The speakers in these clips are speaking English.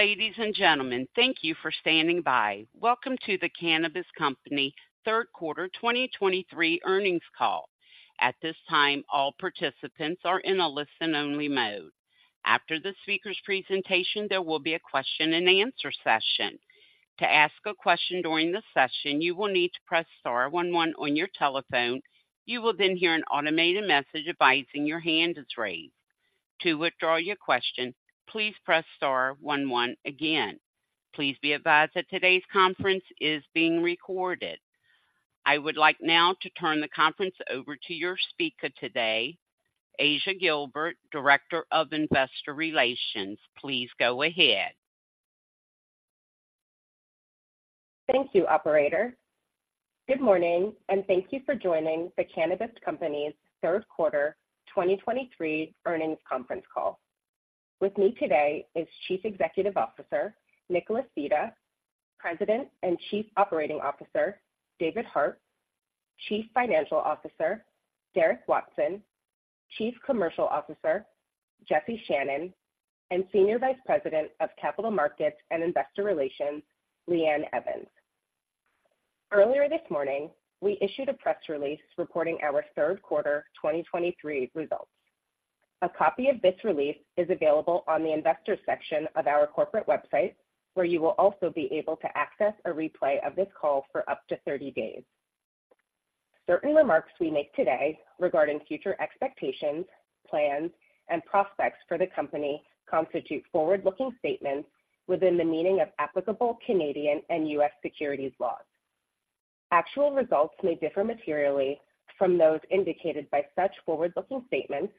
Ladies and gentlemen, thank you for standing by. Welcome to The Cannabist Company third quarter 2023 earnings call. At this time, all participants are in a listen-only mode. After the speaker's presentation, there will be a question and answer session. To ask a question during the session, you will need to press star one one on your telephone. You will then hear an automated message advising your hand is raised. To withdraw your question, please press star one one again. Please be advised that today's conference is being recorded. I would like now to turn the conference over to your speaker today, Aja Gilbert, Director of Investor Relations. Please go ahead. Thank you, operator. Good morning, and thank you for joining The Cannabist Company's third quarter 2023 earnings conference call. With me today is Chief Executive Officer, Nicholas Vita; President and Chief Operating Officer, David Hart; Chief Financial Officer, Derek Watson; Chief Commercial Officer, Jesse Channon; and Senior Vice President of Capital Markets and Investor Relations, Lee Ann Evans. Earlier this morning, we issued a press release reporting our third quarter 2023 results. A copy of this release is available on the investors section of our corporate website, where you will also be able to access a replay of this call for up to 30 days. Certain remarks we make today regarding future expectations, plans, and prospects for the company constitute forward-looking statements within the meaning of applicable Canadian and U.S. securities laws. Actual results may differ materially from those indicated by such forward-looking statements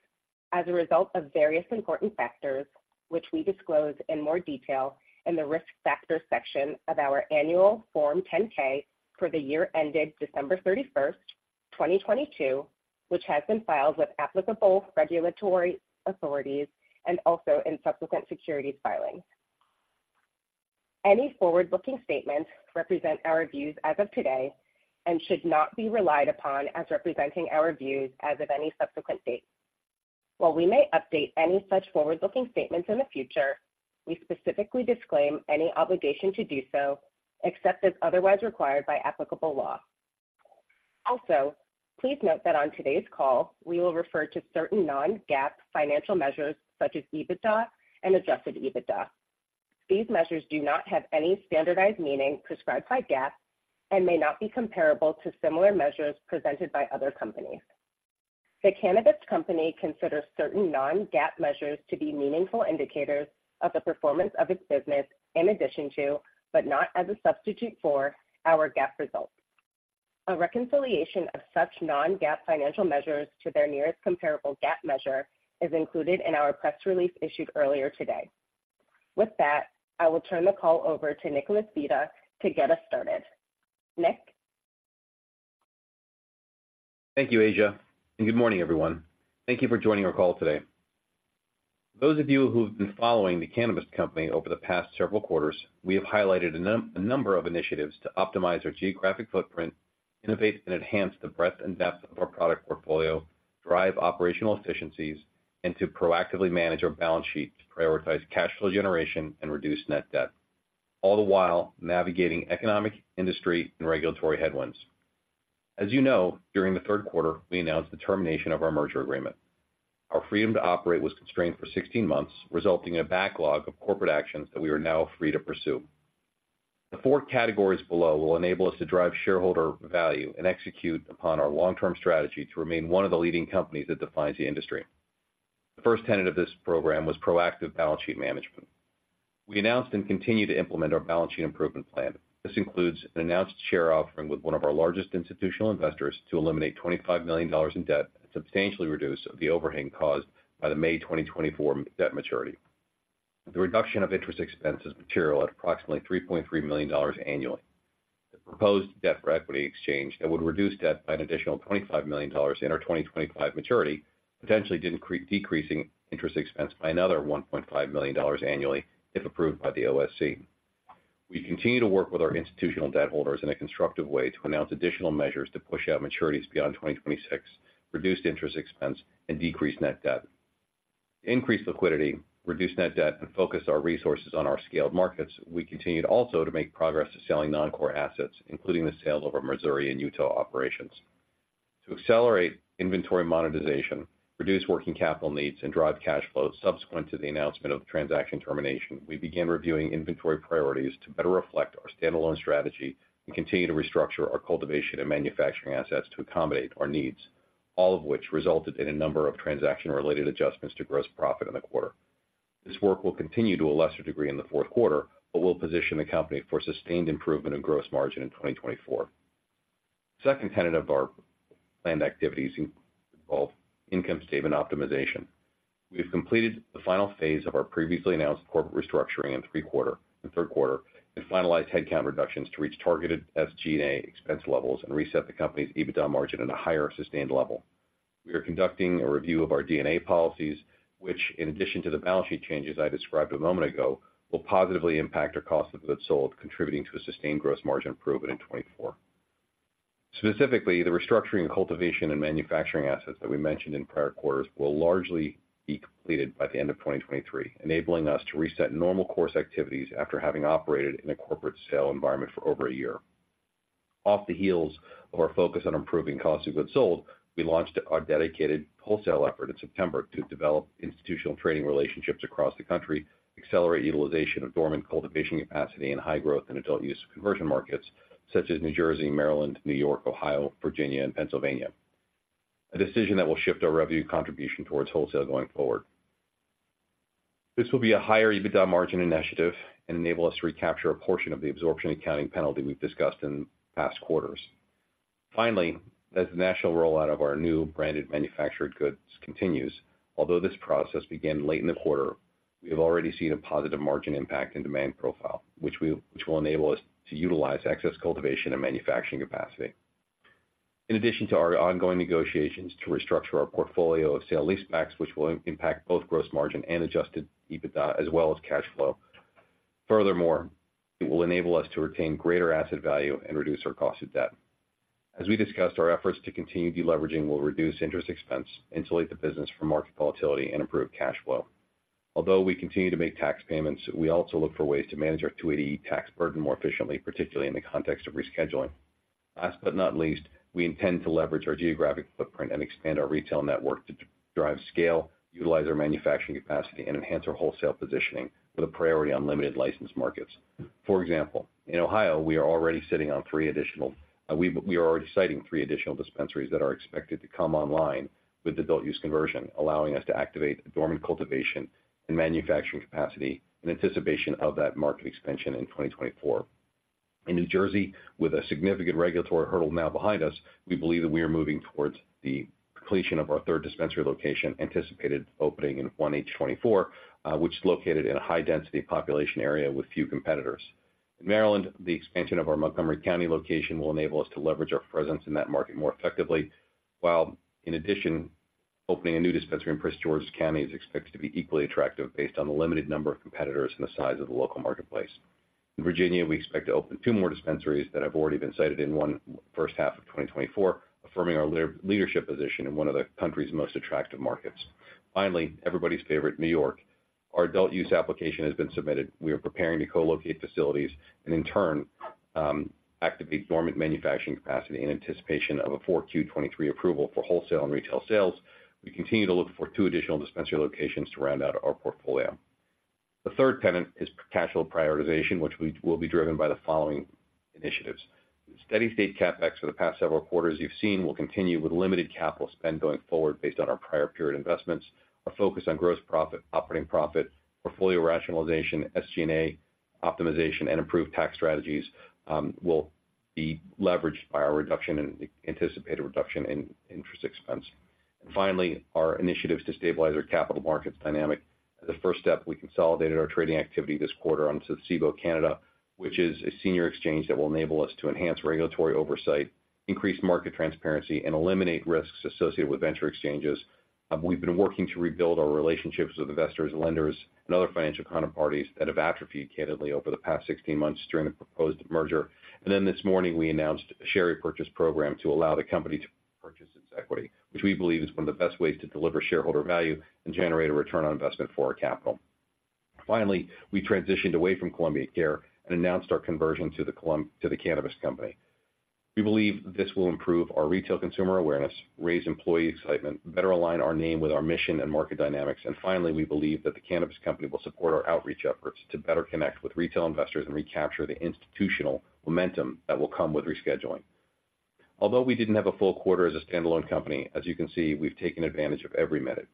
as a result of various important factors, which we disclose in more detail in the Risk Factors section of our annual Form 10-K for the year ended December 31st, 2022, which has been filed with applicable regulatory authorities and also in subsequent securities filings. Any forward-looking statements represent our views as of today and should not be relied upon as representing our views as of any subsequent date. While we may update any such forward-looking statements in the future, we specifically disclaim any obligation to do so except as otherwise required by applicable law. Also, please note that on today's call, we will refer to certain non-GAAP financial measures such as EBITDA and Adjusted EBITDA. These measures do not have any standardized meaning prescribed by GAAP and may not be comparable to similar measures presented by other companies. The Cannabist Company considers certain non-GAAP measures to be meaningful indicators of the performance of its business in addition to, but not as a substitute for, our GAAP results. A reconciliation of such non-GAAP financial measures to their nearest comparable GAAP measure is included in our press release issued earlier today. With that, I will turn the call over to Nicholas Vita to get us started. Nick? Thank you, Aja, and good morning, everyone. Thank you for joining our call today. Those of you who have been following The Cannabist Company over the past several quarters, we have highlighted a number of initiatives to optimize our geographic footprint, innovate and enhance the breadth and depth of our product portfolio, drive operational efficiencies, and to proactively manage our balance sheet to prioritize cash flow generation and reduce net debt, all the while navigating economic, industry, and regulatory headwinds. As you know, during the third quarter, we announced the termination of our merger agreement. Our freedom to operate was constrained for 16 months, resulting in a backlog of corporate actions that we are now free to pursue. The four categories below will enable us to drive shareholder value and execute upon our long-term strategy to remain one of the leading companies that defines the industry. The first tenet of this program was proactive balance sheet management. We announced and continue to implement our balance sheet improvement plan. This includes an announced share offering with one of our largest institutional investors to eliminate $25 million in debt and substantially reduce the overhang caused by the May 2024 debt maturity. The reduction of interest expense is material at approximately $3.3 million annually. The proposed debt for equity exchange that would reduce debt by an additional $25 million in our 2025 maturity, potentially decreasing interest expense by another $1.5 million annually, if approved by the OSC. We continue to work with our institutional debt holders in a constructive way to announce additional measures to push out maturities beyond 2026, reduce interest expense, and decrease net debt. Increased liquidity, reduced net debt, and focus our resources on our scaled markets, we continued also to make progress to selling non-core assets, including the sales of our Missouri and Utah operations. To accelerate inventory monetization, reduce working capital needs, and drive cash flows subsequent to the announcement of transaction termination, we began reviewing inventory priorities to better reflect our standalone strategy and continue to restructure our cultivation and manufacturing assets to accommodate our needs, all of which resulted in a number of transaction-related adjustments to gross profit in the quarter. This work will continue to a lesser degree in the fourth quarter, but will position the company for sustained improvement in gross margin in 2024. Second tenet of our planned activities involved income statement optimization. We've completed the final phase of our previously announced corporate restructuring in third quarter, and finalized headcount reductions to reach targeted SG&A expense levels and reset the company's EBITDA margin at a higher, sustained level. We are conducting a review of our D&A policies, which, in addition to the balance sheet changes I described a moment ago, will positively impact our cost of goods sold, contributing to a sustained gross margin improvement in 2024. Specifically, the restructuring and cultivation and manufacturing assets that we mentioned in prior quarters will largely be completed by the end of 2023, enabling us to reset normal course activities after having operated in a corporate sale environment for over a year. Off the heels of our focus on improving cost of goods sold, we launched our dedicated wholesale effort in September to develop institutional trading relationships across the country, accelerate utilization of dormant cultivation capacity, and high growth in adult-use conversion markets such as New Jersey, Maryland, New York, Ohio, Virginia, and Pennsylvania. A decision that will shift our revenue contribution towards wholesale going forward. This will be a higher EBITDA margin initiative and enable us to recapture a portion of the absorption accounting penalty we've discussed in past quarters. Finally, as the national rollout of our new branded manufactured goods continues, although this process began late in the quarter, we have already seen a positive margin impact and demand profile, which will enable us to utilize excess cultivation and manufacturing capacity. In addition to our ongoing negotiations to restructure our portfolio of sale-leasebacks, which will impact both gross margin and Adjusted EBITDA as well as cash flow. Furthermore, it will enable us to retain greater asset value and reduce our cost of debt. As we discussed, our efforts to continue deleveraging will reduce interest expense, insulate the business from market volatility, and improve cash flow. Although we continue to make tax payments, we also look for ways to manage our 280E tax burden more efficiently, particularly in the context of rescheduling. Last but not least, we intend to leverage our geographic footprint and expand our retail network to drive scale, utilize our manufacturing capacity, and enhance our wholesale positioning with a priority on limited license markets. For example, in Ohio, we are already siting three additional dispensaries that are expected to come online with adult-use conversion, allowing us to activate dormant cultivation and manufacturing capacity in anticipation of that market expansion in 2024. In New Jersey, with a significant regulatory hurdle now behind us, we believe that we are moving towards the completion of our third dispensary location, anticipated opening in 01/08/2024, which is located in a high-density population area with few competitors. In Maryland, the expansion of our Montgomery County location will enable us to leverage our presence in that market more effectively, while in addition, opening a new dispensary in Prince George's County is expected to be equally attractive based on the limited number of competitors and the size of the local marketplace. In Virginia, we expect to open two more dispensaries that have already been sited, in the first half of 2024, affirming our leadership position in one of the country's most attractive markets. Finally, everybody's favorite, New York. Our adult-use application has been submitted. We are preparing to co-locate facilities and in turn, activate dormant manufacturing capacity in anticipation of a 4Q 2023 approval for wholesale and retail sales. We continue to look for two additional dispensary locations to round out our portfolio. The third tenet is cash flow prioritization, which will be driven by the following initiatives. Steady state CapEx for the past several quarters you've seen will continue with limited capital spend going forward based on our prior period investments. Our focus on gross profit, operating profit, portfolio rationalization, SG&A optimization, and improved tax strategies, will be leveraged by our reduction in... anticipated reduction in interest expense. And finally, our initiatives to stabilize our capital markets dynamic. As a first step, we consolidated our trading activity this quarter onto Cboe Canada, which is a senior exchange that will enable us to enhance regulatory oversight, increase market transparency, and eliminate risks associated with venture exchanges. We've been working to rebuild our relationships with investors, lenders, and other financial counterparties that have atrophied candidly over the past 16 months during the proposed merger. And then this morning, we announced a share repurchase program to allow the company to purchase its equity, which we believe is one of the best ways to deliver shareholder value and generate a return on investment for our capital. Finally, we transitioned away from Columbia Care and announced our conversion to The Cannabist Company. We believe this will improve our retail consumer awareness, raise employee excitement, better align our name with our mission and market dynamics, and finally, we believe that The Cannabist Company will support our outreach efforts to better connect with retail investors and recapture the institutional momentum that will come with rescheduling. Although we didn't have a full quarter as a standalone company, as you can see, we've taken advantage of every minute.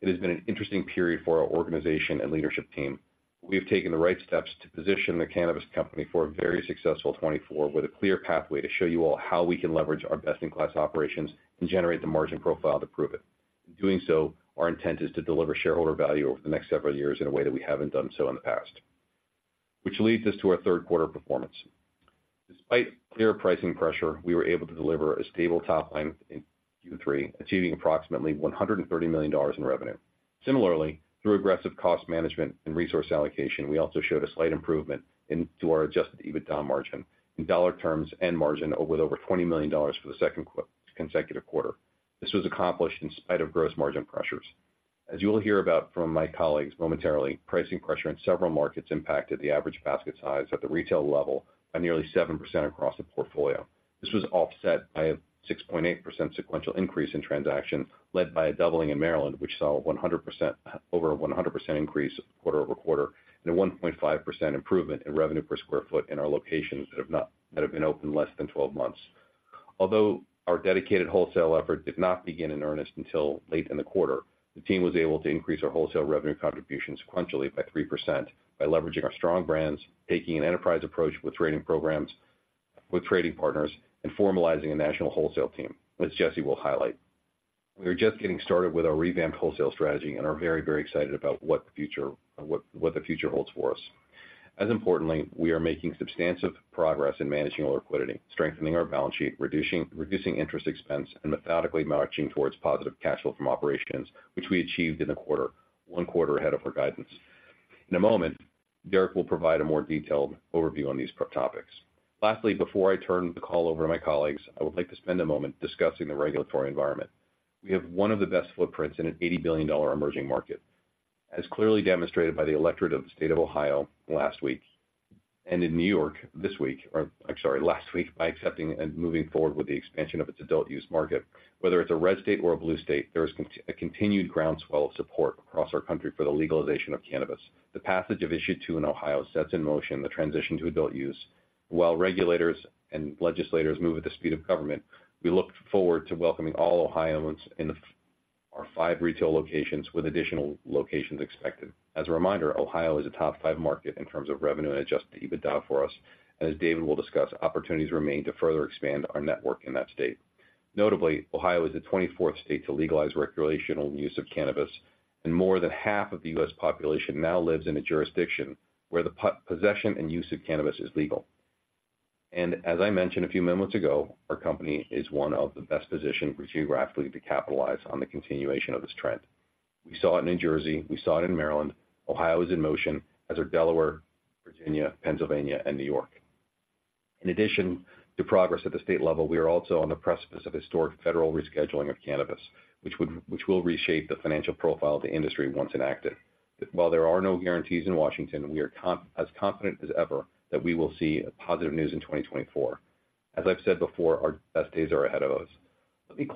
It has been an interesting period for our organization and leadership team. We have taken the right steps to position The Cannabist Company for a very successful 2024, with a clear pathway to show you all how we can leverage our best-in-class operations and generate the margin profile to prove it. In doing so, our intent is to deliver shareholder value over the next several years in a way that we haven't done so in the past. Which leads us to our third quarter performance. Despite clear pricing pressure, we were able to deliver a stable top line in Q3, achieving approximately $130 million in revenue. Similarly, through aggressive cost management and resource allocation, we also showed a slight improvement into our Adjusted EBITDA margin in dollar terms and margin with over $20 million for the second consecutive quarter. This was accomplished in spite of gross margin pressures. As you will hear about from my colleagues momentarily, pricing pressure in several markets impacted the average basket size at the retail level by nearly 7% across the portfolio. This was offset by a 6.8% sequential increase in transactions, led by a doubling in Maryland, which saw a 100% over 100% increase quarter-over-quarter, and a 1.5% improvement in revenue per square foot in our locations that have been open less than 12 months. Although our dedicated wholesale effort did not begin in earnest until late in the quarter, the team was able to increase our wholesale revenue contribution sequentially by 3% by leveraging our strong brands, taking an enterprise approach with trading programs, with trading partners, and formalizing a national wholesale team, as Jesse will highlight. We are just getting started with our revamped wholesale strategy and are very, very excited about what the future holds for us. As importantly, we are making substantive progress in managing our liquidity, strengthening our balance sheet, reducing, reducing interest expense, and methodically marching towards positive cash flow from operations, which we achieved in the quarter, one quarter ahead of our guidance. In a moment, Derek will provide a more detailed overview on these topics. Lastly, before I turn the call over to my colleagues, I would like to spend a moment discussing the regulatory environment. We have one of the best footprints in an $80 billion emerging market, as clearly demonstrated by the electorate of the state of Ohio last week, and in New York this week, or I'm sorry, last week, by accepting and moving forward with the expansion of its adult use market. Whether it's a red state or a blue state, there is con- a continued groundswell of support across our country for the legalization of cannabis. The passage of Issue 2 in Ohio sets in motion the transition to adult use. While regulators and legislators move at the speed of government, we look forward to welcoming all Ohioans in our five retail locations, with additional locations expected. As a reminder, Ohio is a top five market in terms of revenue and Adjusted EBITDA for us, and as David will discuss, opportunities remain to further expand our network in that state. Notably, Ohio is the 24th state to legalize recreational use of cannabis, and more than half of the U.S. population now lives in a jurisdiction where the possession and use of cannabis is legal. As I mentioned a few moments ago, our company is one of the best positioned geographically to capitalize on the continuation of this trend. We saw it in New Jersey. We saw it in Maryland. Ohio is in motion, as are Delaware, Virginia, Pennsylvania, and New York. In addition to progress at the state level, we are also on the precipice of historic federal rescheduling of cannabis, which will reshape the financial profile of the industry once enacted. While there are no guarantees in Washington, we are as confident as ever that we will see a positive news in 2024. As I've said before, our best days are ahead of us. Let me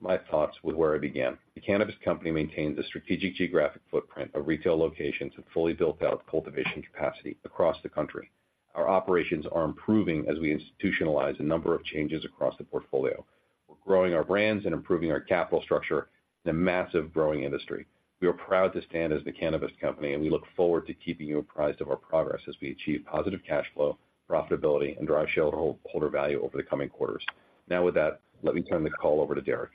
close my thoughts with where I began. The Cannabist Company maintains a strategic geographic footprint of retail locations and fully built-out cultivation capacity across the country. Our operations are improving as we institutionalize a number of changes across the portfolio. We're growing our brands and improving our capital structure in a massive growing industry. We are proud to stand as The Cannabist Company, and we look forward to keeping you apprised of our progress as we achieve positive cash flow, profitability, and drive shareholder value over the coming quarters. Now, with that, let me turn the call over to Derek.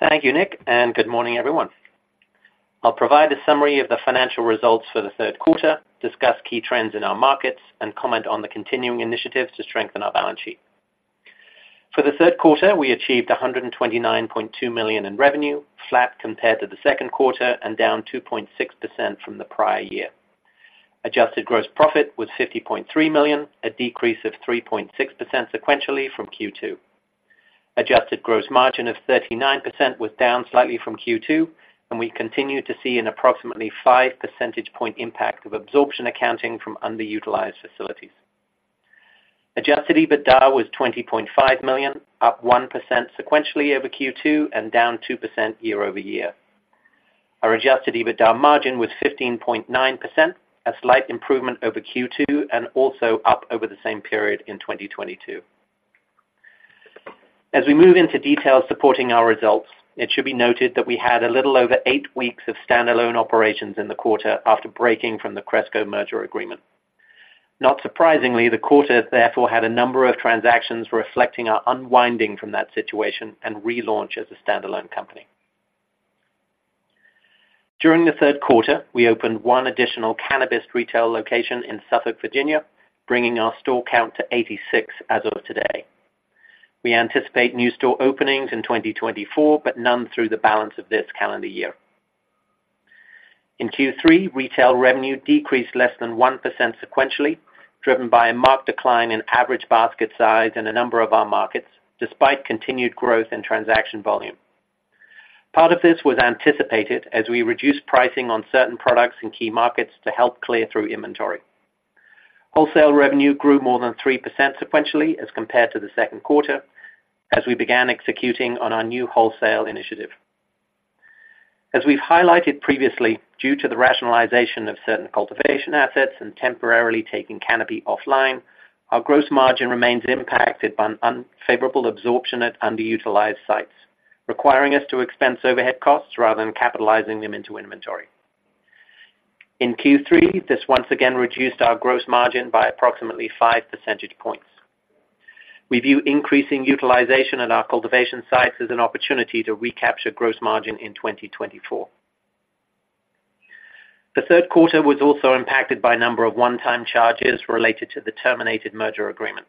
Thank you, Nick, and good morning, everyone. I'll provide a summary of the financial results for the third quarter, discuss key trends in our markets, and comment on the continuing initiatives to strengthen our balance sheet. For the third quarter, we achieved $129.2 million in revenue, flat compared to the second quarter and down 2.6% from the prior year. Adjusted gross profit was $50.3 million, a decrease of 3.6% sequentially from Q2. Adjusted gross margin of 39% was down slightly from Q2, and we continue to see an approximately five percentage point impact of absorption accounting from underutilized facilities. Adjusted EBITDA was $20.5 million, up 1% sequentially over Q2 and down 2% year-over-year. Our Adjusted EBITDA margin was 15.9%, a slight improvement over Q2 and also up over the same period in 2022. As we move into details supporting our results, it should be noted that we had a little over eight weeks of standalone operations in the quarter after breaking from the Cresco merger agreement. Not surprisingly, the quarter therefore had a number of transactions reflecting our unwinding from that situation and relaunch as a standalone company. During the third quarter, we opened one additional cannabis retail location in Suffolk, Virginia, bringing our store count to 86 as of today. We anticipate new store openings in 2024, but none through the balance of this calendar year. In Q3, retail revenue decreased less than 1% sequentially, driven by a marked decline in average basket size in a number of our markets, despite continued growth in transaction volume. Part of this was anticipated as we reduced pricing on certain products in key markets to help clear through inventory. Wholesale revenue grew more than 3% sequentially as compared to the second quarter, as we began executing on our new wholesale initiative. As we've highlighted previously, due to the rationalization of certain cultivation assets and temporarily taking canopy offline, our gross margin remains impacted by unfavorable absorption at underutilized sites, requiring us to expense overhead costs rather than capitalizing them into inventory. In Q3, this once again reduced our gross margin by approximately five percentage points. We view increasing utilization at our cultivation sites as an opportunity to recapture gross margin in 2024. The third quarter was also impacted by a number of one-time charges related to the terminated merger agreement.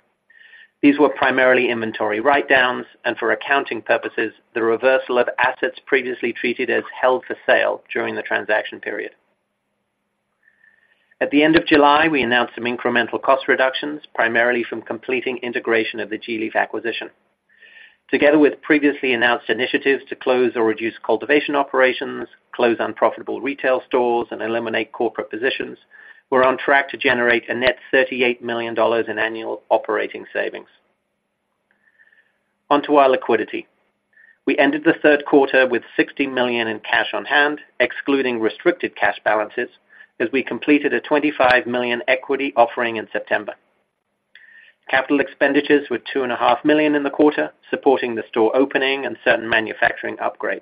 These were primarily inventory write-downs, and for accounting purposes, the reversal of assets previously treated as held for sale during the transaction period. At the end of July, we announced some incremental cost reductions, primarily from completing integration of the gLeaf acquisition. Together with previously announced initiatives to close or reduce cultivation operations, close unprofitable retail stores, and eliminate corporate positions, we're on track to generate a net $38 million in annual operating savings. On to our liquidity. We ended the third quarter with $60 million in cash on hand, excluding restricted cash balances, as we completed a $25 million equity offering in September. Capital expenditures were $2.5 million in the quarter, supporting the store opening and certain manufacturing upgrades.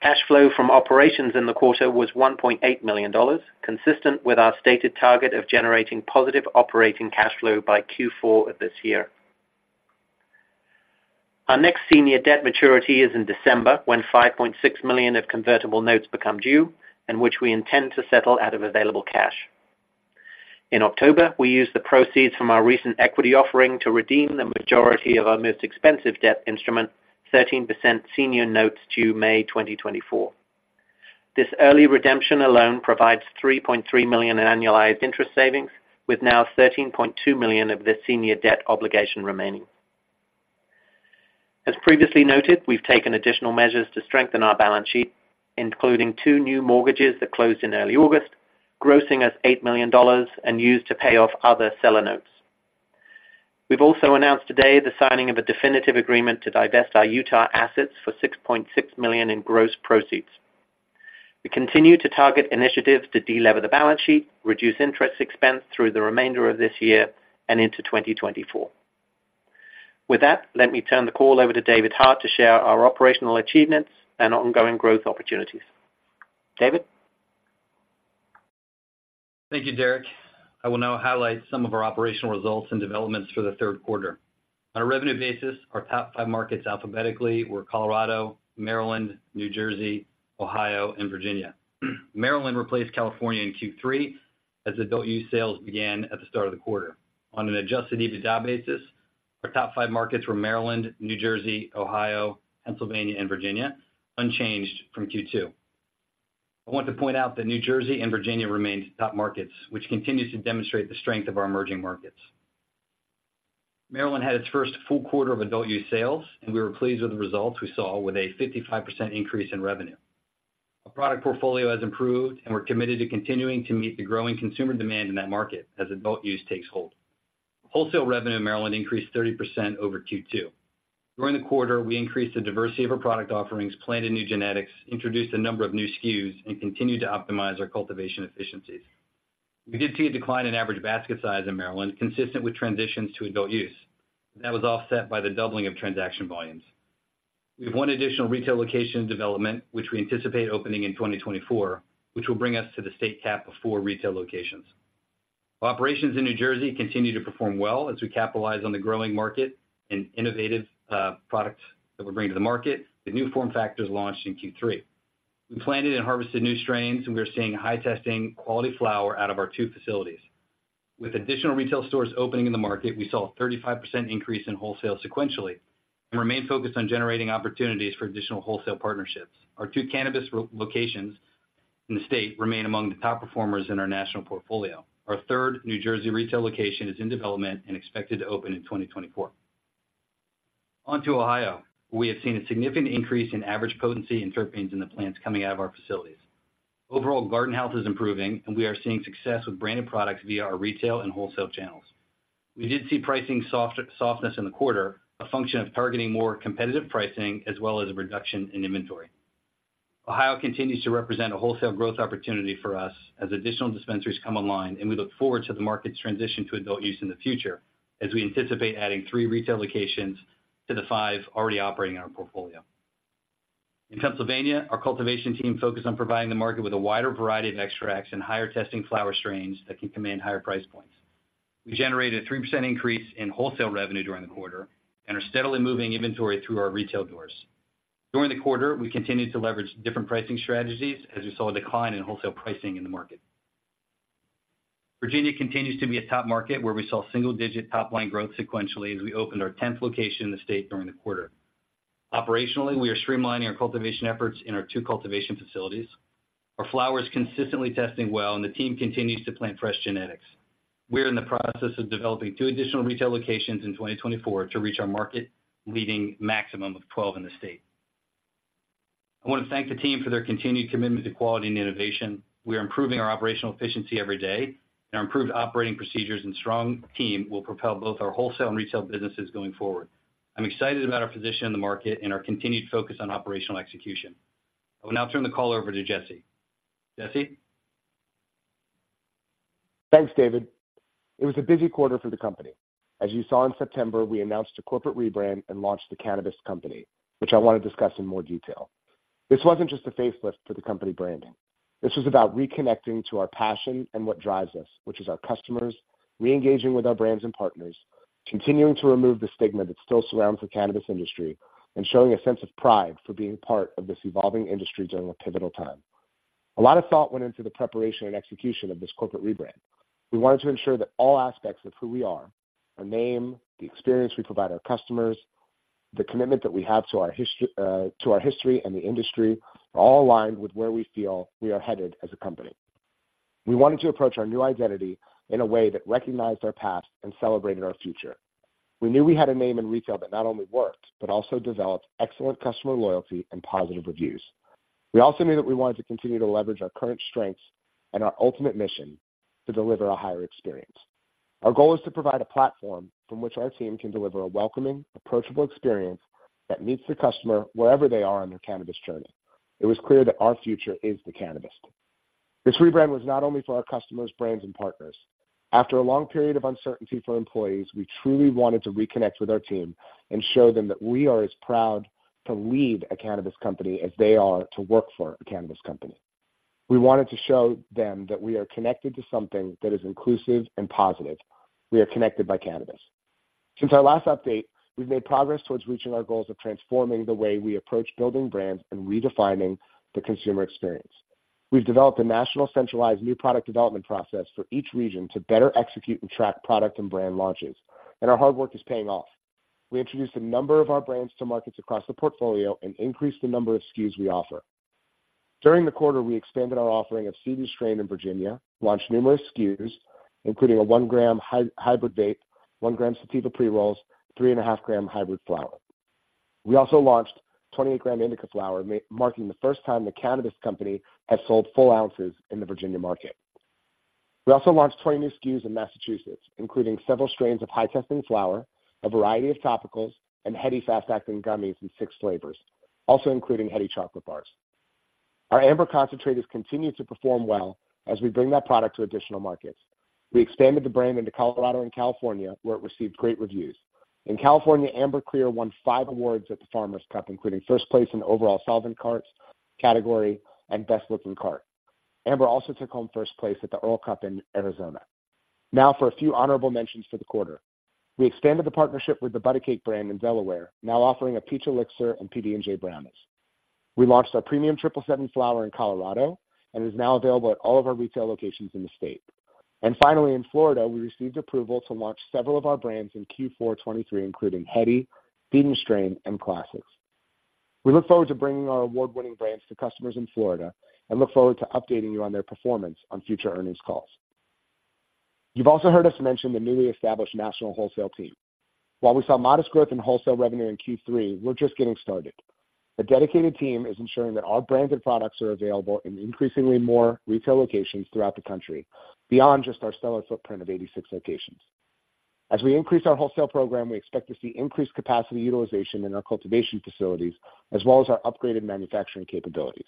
Cash flow from operations in the quarter was $1.8 million, consistent with our stated target of generating positive operating cash flow by Q4 of this year. Our next senior debt maturity is in December, when $5.6 million of convertible notes become due, and which we intend to settle out of available cash. In October, we used the proceeds from our recent equity offering to redeem the majority of our most expensive debt instrument, 13% senior notes due May 2024. This early redemption alone provides $3.3 million in annualized interest savings, with now $13.2 million of this senior debt obligation remaining. As previously noted, we've taken additional measures to strengthen our balance sheet, including two new mortgages that closed in early August, grossing us $8 million and used to pay off other seller notes. We've also announced today the signing of a definitive agreement to divest our Utah assets for $6.6 million in gross proceeds. We continue to target initiatives to delever the balance sheet, reduce interest expense through the remainder of this year and into 2024. With that, let me turn the call over to David Hart to share our operational achievements and ongoing growth opportunities. David? Thank you, Derek. I will now highlight some of our operational results and developments for the third quarter. On a revenue basis, our top five markets alphabetically were Colorado, Maryland, New Jersey, Ohio, and Virginia. Maryland replaced California in Q3 as adult use sales began at the start of the quarter. On an Adjusted EBITDA basis, our top five markets were Maryland, New Jersey, Ohio, Pennsylvania, and Virginia, unchanged from Q2. I want to point out that New Jersey and Virginia remained top markets, which continues to demonstrate the strength of our emerging markets. Maryland had its first full quarter of adult use sales, and we were pleased with the results we saw with a 55% increase in revenue. Our product portfolio has improved, and we're committed to continuing to meet the growing consumer demand in that market as adult use takes hold. Wholesale revenue in Maryland increased 30% over Q2. During the quarter, we increased the diversity of our product offerings, planted new genetics, introduced a number of new SKUs, and continued to optimize our cultivation efficiencies. We did see a decline in average basket size in Maryland, consistent with transitions to adult use. That was offset by the doubling of transaction volumes. We have one additional retail location in development, which we anticipate opening in 2024, which will bring us to the state cap of four retail locations. Operations in New Jersey continue to perform well as we capitalize on the growing market and innovative products that we're bringing to the market. The new form factors launched in Q3. We planted and harvested new strains, and we are seeing high-testing, quality flower out of our two facilities. With additional retail stores opening in the market, we saw a 35% increase in wholesale sequentially and remain focused on generating opportunities for additional wholesale partnerships. Our two cannabis retail locations in the state remain among the top performers in our national portfolio. Our third New Jersey retail location is in development and expected to open in 2024. On to Ohio, we have seen a significant increase in average potency and terpenes in the plants coming out of our facilities. Overall, garden health is improving, and we are seeing success with branded products via our retail and wholesale channels. We did see pricing softness in the quarter, a function of targeting more competitive pricing as well as a reduction in inventory. Ohio continues to represent a wholesale growth opportunity for us as additional dispensaries come online, and we look forward to the market's transition to adult use in the future, as we anticipate adding three retail locations to the five already operating in our portfolio. In Pennsylvania, our cultivation team focused on providing the market with a wider variety of extracts and higher-testing flower strains that can command higher price points. We generated a 3% increase in wholesale revenue during the quarter and are steadily moving inventory through our retail doors. During the quarter, we continued to leverage different pricing strategies as we saw a decline in wholesale pricing in the market. Virginia continues to be a top market where we saw single-digit top-line growth sequentially as we opened our 10th location in the state during the quarter. Operationally, we are streamlining our cultivation efforts in our two cultivation facilities. Our flower is consistently testing well, and the team continues to plant fresh genetics. We are in the process of developing two additional retail locations in 2024 to reach our market-leading maximum of 12 in the state. I want to thank the team for their continued commitment to quality and innovation. We are improving our operational efficiency every day, and our improved operating procedures and strong team will propel both our wholesale and retail businesses going forward. I'm excited about our position in the market and our continued focus on operational execution. I will now turn the call over to Jesse. Jesse? Thanks, David. It was a busy quarter for the company. As you saw in September, we announced a corporate rebrand and launched The Cannabist Company, which I want to discuss in more detail. This wasn't just a facelift for the company branding. This was about reconnecting to our passion and what drives us, which is our customers, reengaging with our brands and partners, continuing to remove the stigma that still surrounds the cannabis industry, and showing a sense of pride for being part of this evolving industry during a pivotal time. A lot of thought went into the preparation and execution of this corporate rebrand. We wanted to ensure that all aspects of who we are, our name, the experience we provide our customers, the commitment that we have to our history and the industry, are all aligned with where we feel we are headed as a company. We wanted to approach our new identity in a way that recognized our past and celebrated our future. We knew we had a name in retail that not only worked, but also developed excellent customer loyalty and positive reviews. We also knew that we wanted to continue to leverage our current strengths and our ultimate mission to deliver a higher experience. Our goal is to provide a platform from which our team can deliver a welcoming, approachable experience that meets the customer wherever they are on their cannabis journey. It was clear that our future is The Cannabist Company. This rebrand was not only for our customers, brands, and partners. After a long period of uncertainty for employees, we truly wanted to reconnect with our team and show them that we are as proud to lead a cannabis company as they are to work for a cannabis company. We wanted to show them that we are connected to something that is inclusive and positive. We are connected by cannabis. ...Since our last update, we've made progress towards reaching our goals of transforming the way we approach building brands and redefining the consumer experience. We've developed a national centralized new product development process for each region to better execute and track product and brand launches, and our hard work is paying off. We introduced a number of our brands to markets across the portfolio and increased the number of SKUs we offer. During the quarter, we expanded our offering of Seed & Strain in Virginia, launched numerous SKUs, including a 1-gram hybrid vape, 1-gram sativa pre-rolls, 3.5-gram hybrid flower. We also launched 28-gram indica flower, marking the first time The Cannabist Company has sold full ounces in the Virginia market. We also launched 20 new SKUs in Massachusetts, including several strains of high-testing flower, a variety of topicals, and Hedy fast-acting gummies in six flavors, also including Hedy chocolate bars. Our Amber concentrates continue to perform well as we bring that product to additional markets. We expanded the brand into Colorado and California, where it received great reviews. In California, Amber Clear won five awards at the Farmers Cup, including first place in the overall solvent carts category, and best-looking cart. Amber also took home first place at the Errl Cup in Arizona. Now for a few honorable mentions for the quarter. We expanded the partnership with the ButACake brand in Delaware, now offering a peach elixir and PB&J brownies. We launched our premium Triple Seven flower in Colorado, and is now available at all of our retail locations in the state. Finally, in Florida, we received approval to launch several of our brands in Q4 2023, including Hedy, Seed & Strain, and Classix. We look forward to bringing our award-winning brands to customers in Florida and look forward to updating you on their performance on future earnings calls. You've also heard us mention the newly established national wholesale team. While we saw modest growth in wholesale revenue in Q3, we're just getting started. The dedicated team is ensuring that our brands and products are available in increasingly more retail locations throughout the country, beyond just our retail footprint of 86 locations. As we increase our wholesale program, we expect to see increased capacity utilization in our cultivation facilities, as well as our upgraded manufacturing capabilities.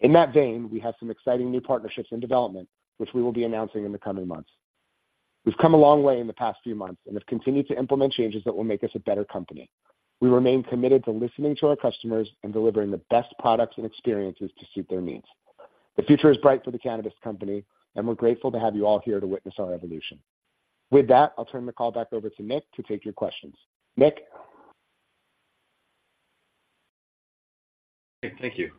In that vein, we have some exciting new partnerships in development, which we will be announcing in the coming months. We've come a long way in the past few months and have continued to implement changes that will make us a better company. We remain committed to listening to our customers and delivering the best products and experiences to suit their needs. The future is bright for The Cannabist Company, and we're grateful to have you all here to witness our evolution. With that, I'll turn the call back over to Nick to take your questions. Nick? Thank you.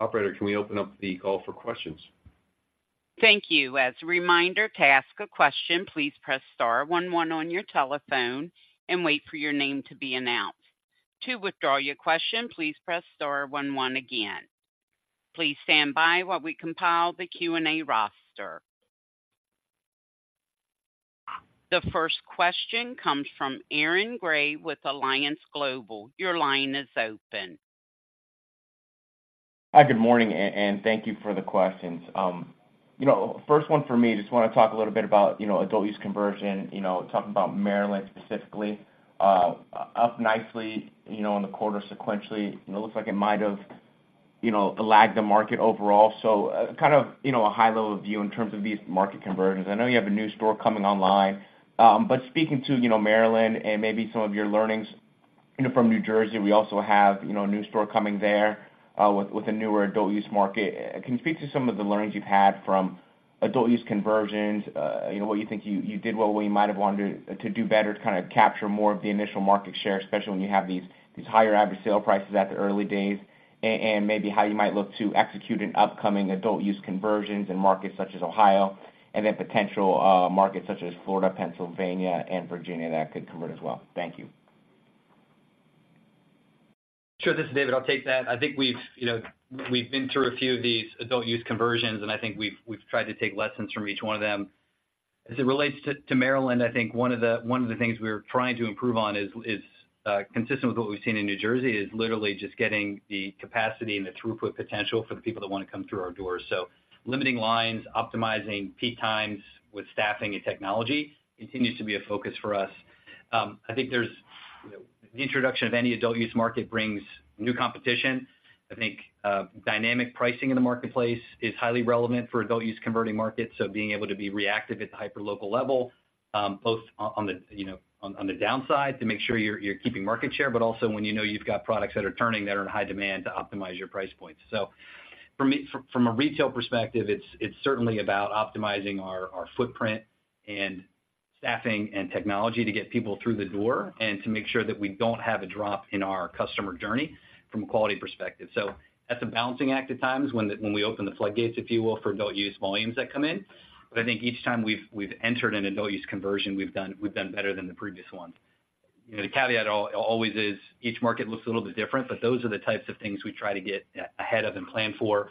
Operator, can we open up the call for questions? Thank you. As a reminder, to ask a question, please press star one one on your telephone and wait for your name to be announced. To withdraw your question, please press star one one again. Please stand by while we compile the Q&A roster. The first question comes from Aaron Grey with Alliance Global Partners. Your line is open. Hi, good morning, and thank you for the questions. You know, first one for me, just want to talk a little bit about, you know, adult use conversion, you know, talking about Maryland specifically, up nicely, you know, in the quarter sequentially, it looks like it might have, you know, lagged the market overall. So, kind of, you know, a high level view in terms of these market conversions. I know you have a new store coming online, but speaking to, you know, Maryland and maybe some of your learnings, you know, from New Jersey, we also have, you know, a new store coming there, with a newer adult use market. Can you speak to some of the learnings you've had from adult use conversions? You know, what you think you did well, what you might have wanted to do better to kind of capture more of the initial market share, especially when you have these higher average sale prices at the early days, and maybe how you might look to execute an upcoming adult-use conversions in markets such as Ohio, and then potential markets such as Florida, Pennsylvania, and Virginia, that could convert as well? Thank you. Sure. This is David. I'll take that. I think we've, you know, we've been through a few of these adult use conversions, and I think we've, we've tried to take lessons from each one of them. As it relates to, to Maryland, I think one of the, one of the things we're trying to improve on is, is consistent with what we've seen in New Jersey, is literally just getting the capacity and the throughput potential for the people that want to come through our doors. So limiting lines, optimizing peak times with staffing and technology continues to be a focus for us. I think the introduction of any adult use market brings new competition. I think, dynamic pricing in the marketplace is highly relevant for adult use converting markets. So being able to be reactive at the hyperlocal level, both on the, you know, on the downside, to make sure you're keeping market share, but also when you know you've got products that are turning that are in high demand to optimize your price points. So for me, from a retail perspective, it's certainly about optimizing our footprint and staffing and technology to get people through the door and to make sure that we don't have a drop in our customer journey from a quality perspective. So that's a balancing act at times when we open the floodgates, if you will, for adult use volumes that come in. But I think each time we've entered an adult use conversion, we've done better than the previous one. You know, the caveat always is, each market looks a little bit different, but those are the types of things we try to get ahead of and plan for.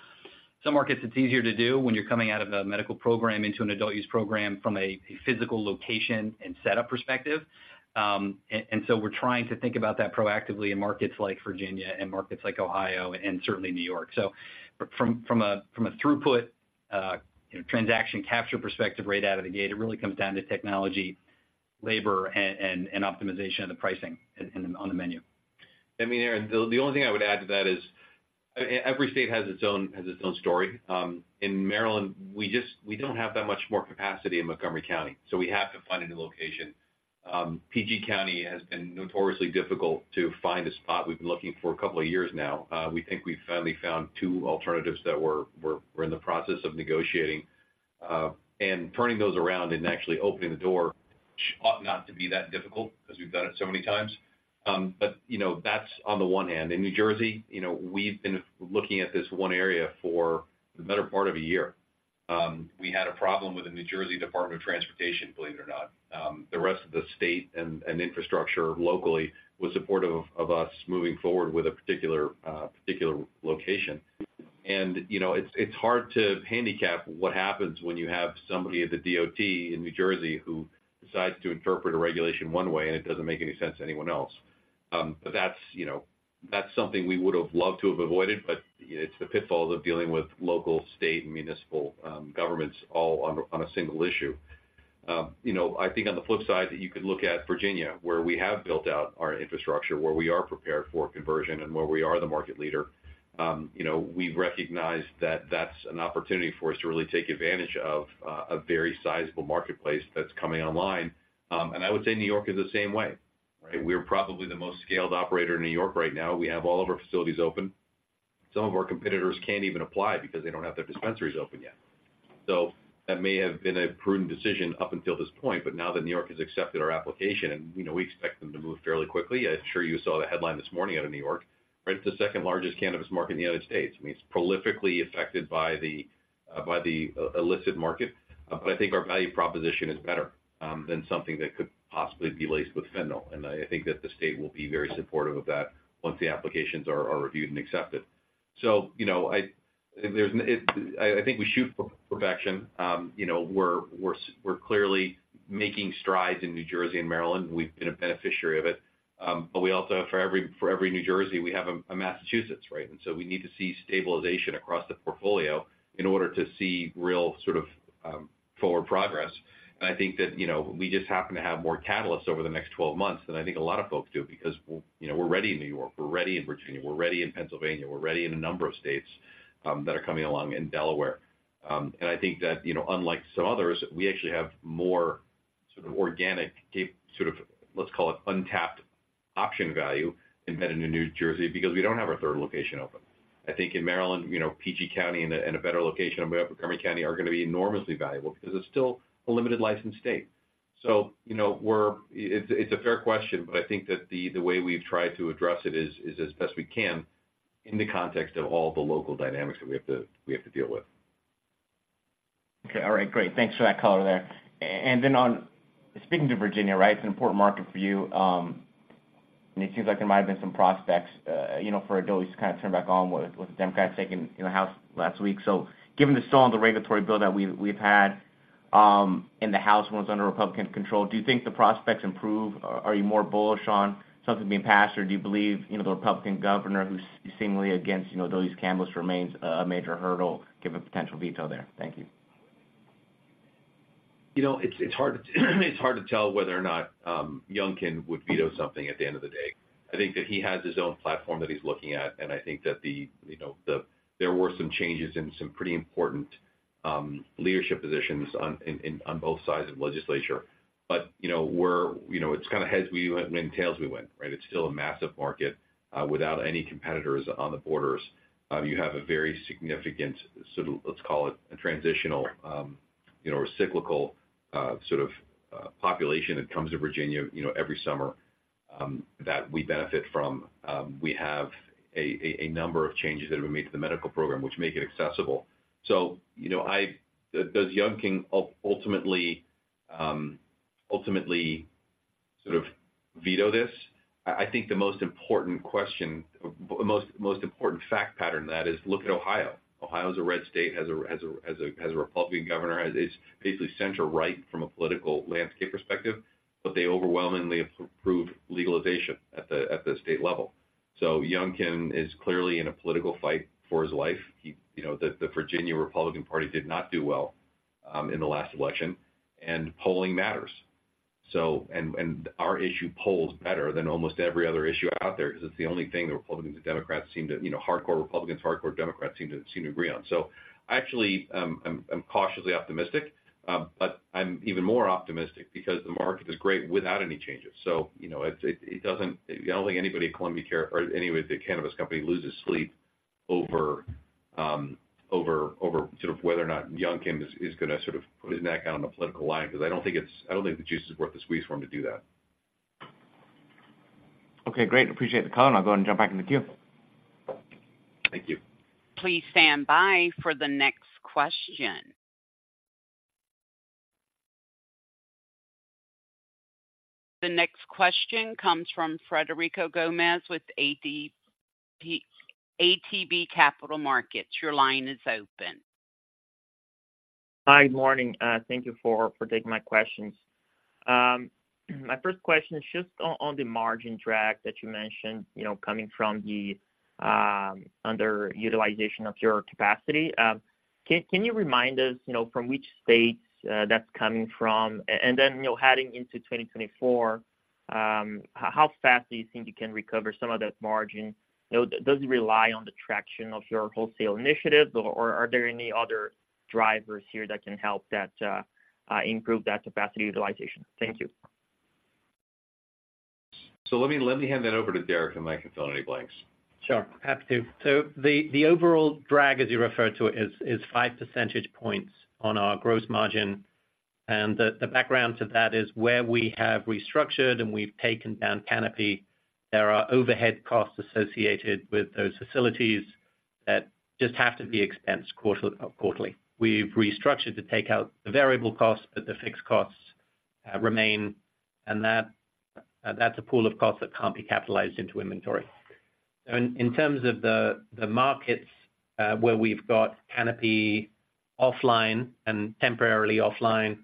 Some markets, it's easier to do when you're coming out of a medical program into an adult use program from a physical location and setup perspective. And so we're trying to think about that proactively in markets like Virginia and markets like Ohio and certainly New York. So from a throughput, transaction capture perspective, right out of the gate, it really comes down to technology, labor, and optimization of the pricing on the menu. I mean, Aaron, the only thing I would add to that is, every state has its own story. In Maryland, we just—we don't have that much more capacity in Montgomery County, so we have to find a new location. PG County has been notoriously difficult to find a spot. We've been looking for a couple of years now. We think we've finally found two alternatives that we're in the process of negotiating, and turning those around and actually opening the door ought not to be that difficult because we've done it so many times. But, you know, that's on the one hand. In New Jersey, you know, we've been looking at this one area for the better part of a year. We had a problem with the New Jersey Department of Transportation, believe it or not. The rest of the state and infrastructure locally was supportive of us moving forward with a particular location. You know, it's hard to handicap what happens when you have somebody at the DOT in New Jersey who decides to interpret a regulation one way, and it doesn't make any sense to anyone else. But that's, you know, that's something we would have loved to have avoided, but it's the pitfalls of dealing with local, state, and municipal governments all on a single issue. You know, I think on the flip side, that you could look at Virginia, where we have built out our infrastructure, where we are prepared for conversion and where we are the market leader. You know, we've recognized that that's an opportunity for us to really take advantage of a very sizable marketplace that's coming online. I would say New York is the same way, right? We're probably the most scaled operator in New York right now. We have all of our facilities open. Some of our competitors can't even apply because they don't have their dispensaries open yet. So that may have been a prudent decision up until this point, but now that New York has accepted our application, and, you know, we expect them to move fairly quickly. I'm sure you saw the headline this morning out of New York, right? It's the second-largest cannabis market in the United States. I mean, it's prolifically affected by the illicit market. But I think our value proposition is better than something that could possibly be laced with fentanyl, and I think that the state will be very supportive of that once the applications are reviewed and accepted. So, you know, I think we shoot for perfection. You know, we're clearly making strides in New Jersey and Maryland. We've been a beneficiary of it, but we also, for every New Jersey, we have a Massachusetts, right? And so we need to see stabilization across the portfolio in order to see real sort of forward progress. I think that, you know, we just happen to have more catalysts over the next 12 months than I think a lot of folks do, because, you know, we're ready in New York, we're ready in Virginia, we're ready in Pennsylvania, we're ready in a number of states that are coming along in Delaware. And I think that, you know, unlike some others, we actually have more sort of organic, sort of, let's call it untapped option value embedded in New Jersey because we don't have our third location open. I think in Maryland, you know, PG County and a better location we have Montgomery County are going to be enormously valuable because it's still a limited license state. So, you know, it's a fair question, but I think that the way we've tried to address it is as best we can in the context of all the local dynamics that we have to deal with. Okay, all right, great. Thanks for that color there. And then on speaking to Virginia, right, it's an important market for you, and it seems like there might have been some prospects, you know, for adult use to kind of turn back on with the Democrats taking the House last week. So given the stall on the regulatory bill that we've had in the House, when it was under Republican control, do you think the prospects improve? Are you more bullish on something being passed, or do you believe, you know, the Republican governor, who's seemingly against, you know, those cannabis remains a major hurdle, given a potential veto there? Thank you. You know, it's hard to tell whether or not Youngkin would veto something at the end of the day. I think that he has his own platform that he's looking at, and I think that the, you know, the... There were some changes in some pretty important leadership positions on both sides of the legislature. But, you know, it's kind of heads we win, and tails we win, right? It's still a massive market without any competitors on the borders. You have a very significant, sort of, let's call it a transitional, you know, or cyclical, sort of, population that comes to Virginia, you know, every summer, that we benefit from. We have a number of changes that have been made to the medical program, which make it accessible. So, you know, does Youngkin ultimately sort of veto this? I think the most important question, most important fact pattern that is, look at Ohio. Ohio is a red state, has a Republican governor, has a basically center right from a political landscape perspective, but they overwhelmingly have approved legalization at the state level. So Youngkin is clearly in a political fight for his life. He, you know, the Virginia Republican Party did not do well in the last election, and polling matters. So, and our issue polls better than almost every other issue out there, because it's the only thing the Republicans and Democrats seem to, you know, hardcore Republicans, hardcore Democrats seem to agree on. So actually, I'm cautiously optimistic, but I'm even more optimistic because the market is great without any changes. So, you know, it doesn't... I don't think anybody at Columbia Care or anybody at The Cannabist Company loses sleep over over sort of whether or not Youngkin is gonna sort of put his neck out on the political line, because I don't think it's- I don't think the juice is worth the squeeze for him to do that. Okay, great. Appreciate the call, and I'll go and jump back in the queue. Thank you. Please stand by for the next question. The next question comes from Frederico Gomes with ATB Capital Markets. Your line is open. Hi, good morning. Thank you for taking my questions. My first question is just on the margin drag that you mentioned, you know, coming from the underutilization of your capacity. Can you remind us, you know, from which states that's coming from? And then, you know, heading into 2024, how fast do you think you can recover some of that margin? You know, does it rely on the traction of your wholesale initiatives, or are there any other drivers here that can help that improve that capacity utilization? Thank you.... So let me, let me hand that over to Derek, and Mike can fill any blanks. Sure, happy to. So the overall drag, as you refer to it, is five percentage points on our gross margin. And the background to that is where we have restructured and we've taken down canopy, there are overhead costs associated with those facilities that just have to be expensed quarterly. We've restructured to take out the variable costs, but the fixed costs remain, and that's a pool of costs that can't be capitalized into inventory. So in terms of the markets where we've got canopy offline and temporarily offline,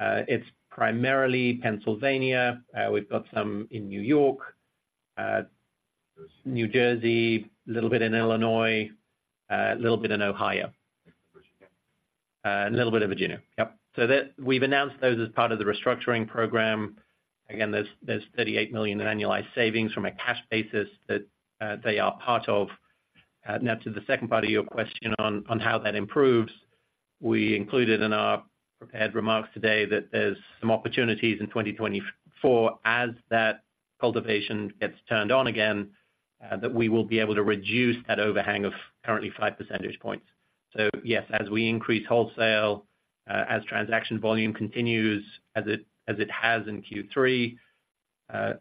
it's primarily Pennsylvania. We've got some in New York, New Jersey, little bit in Illinois, little bit in Ohio. Virginia. A little bit of Virginia. Yep. So that we've announced those as part of the restructuring program. Again, there's $38 million in annualized savings from a cash basis that they are part of. Now to the second part of your question on how that improves, we included in our prepared remarks today that there's some opportunities in 2024 as that cultivation gets turned on again, that we will be able to reduce that overhang of currently five percentage points. So yes, as we increase wholesale, as transaction volume continues, as it has in Q3, so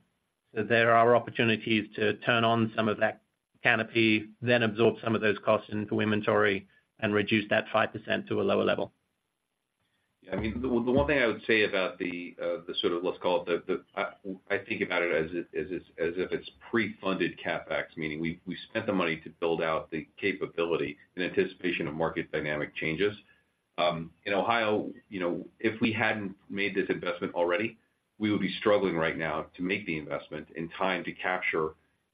there are opportunities to turn on some of that canopy, then absorb some of those costs into inventory and reduce that 5% to a lower level. Yeah, I mean, the one thing I would say about the sort of, let's call it the... I think about it as if it's pre-funded CapEx, meaning we spent the money to build out the capability in anticipation of market dynamic changes. In Ohio, you know, if we hadn't made this investment already, we would be struggling right now to make the investment in time to capture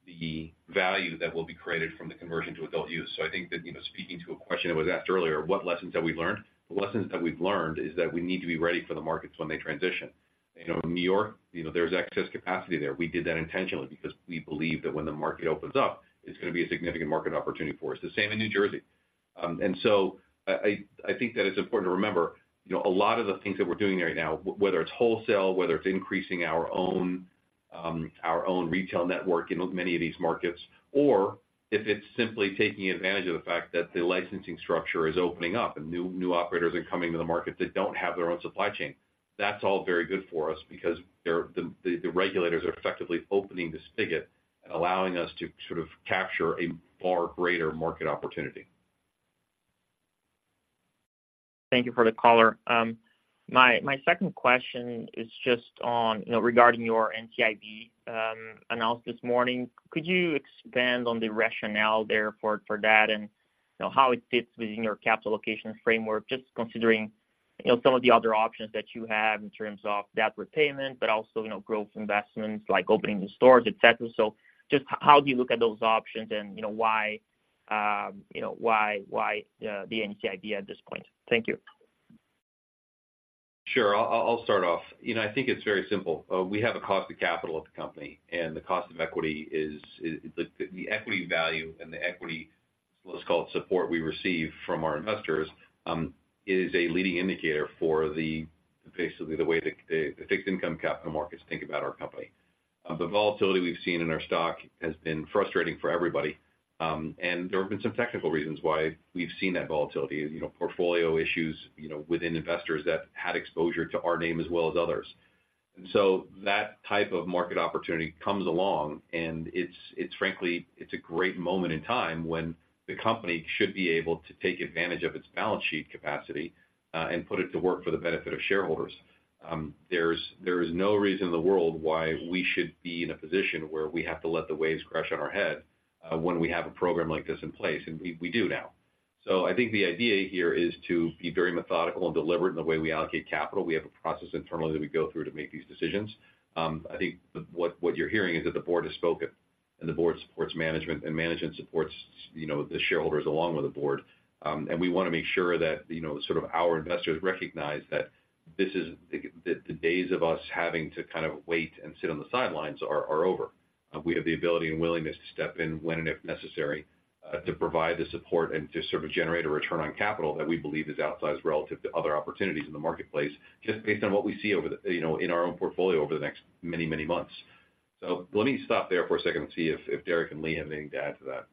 the value that will be created from the conversion to adult use. So I think that, you know, speaking to a question that was asked earlier, what lessons have we learned? The lessons that we've learned is that we need to be ready for the markets when they transition. You know, New York, you know, there's excess capacity there. We did that intentionally because we believe that when the market opens up, it's gonna be a significant market opportunity for us. The same in New Jersey. And so I think that it's important to remember, you know, a lot of the things that we're doing there right now, whether it's wholesale, whether it's increasing our own, our own retail network in many of these markets, or if it's simply taking advantage of the fact that the licensing structure is opening up and new operators are coming to the market that don't have their own supply chain. That's all very good for us because the regulators are effectively opening the spigot, allowing us to sort of capture a far greater market opportunity. Thank you for the color. My, my second question is just on, you know, regarding your NCIB, announced this morning. Could you expand on the rationale there for that, and, you know, how it fits within your capital allocation framework, just considering, you know, some of the other options that you have in terms of debt repayment, but also, you know, growth investments, like opening new stores, et cetera. So just how do you look at those options and, you know, why the NCIB at this point? Thank you. Sure. I'll start off. You know, I think it's very simple. We have a cost of capital at the company, and the cost of equity is the equity value and the equity, let's call it, support we receive from our investors, is a leading indicator for basically the way the fixed income capital markets think about our company. The volatility we've seen in our stock has been frustrating for everybody, and there have been some technical reasons why we've seen that volatility. You know, portfolio issues, you know, within investors that had exposure to our name as well as others. That type of market opportunity comes along and it's frankly a great moment in time when the company should be able to take advantage of its balance sheet capacity and put it to work for the benefit of shareholders. There is no reason in the world why we should be in a position where we have to let the waves crash on our head when we have a program like this in place, and we do now. I think the idea here is to be very methodical and deliberate in the way we allocate capital. We have a process internally that we go through to make these decisions. I think what you're hearing is that the board has spoken, and the board supports management, and management supports, you know, the shareholders along with the board. We want to make sure that, you know, sort of our investors recognize that this is the days of us having to kind of wait and sit on the sidelines are over. We have the ability and willingness to step in when and if necessary to provide the support and to sort of generate a return on capital that we believe is outsized relative to other opportunities in the marketplace, just based on what we see over the, you know, in our own portfolio over the next many, many months. So let me stop there for a second and see if Derek and Lee have anything to add to that.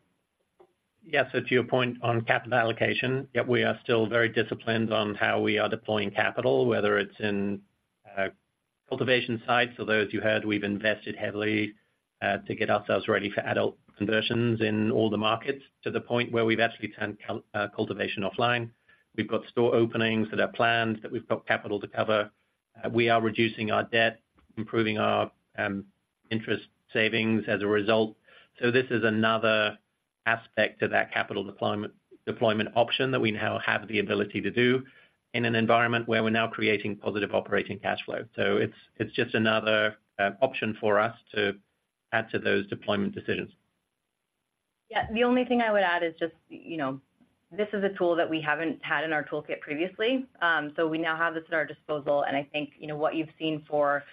Yes, so to your point on capital allocation, yet we are still very disciplined on how we are deploying capital, whether it's in cultivation sites. So those you heard, we've invested heavily to get ourselves ready for adult conversions in all the markets, to the point where we've actually turned cultivation offline. We've got store openings that are planned, that we've got capital to cover. We are reducing our debt, improving our interest savings as a result. So this is another aspect to that capital deployment option that we now have the ability to do in an environment where we're now creating positive operating cash flow. So it's just another option for us to add to those deployment decisions. Yeah, the only thing I would add is just, you know, this is a tool that we haven't had in our toolkit previously. So we now have this at our disposal, and I think, you know, what you've seen for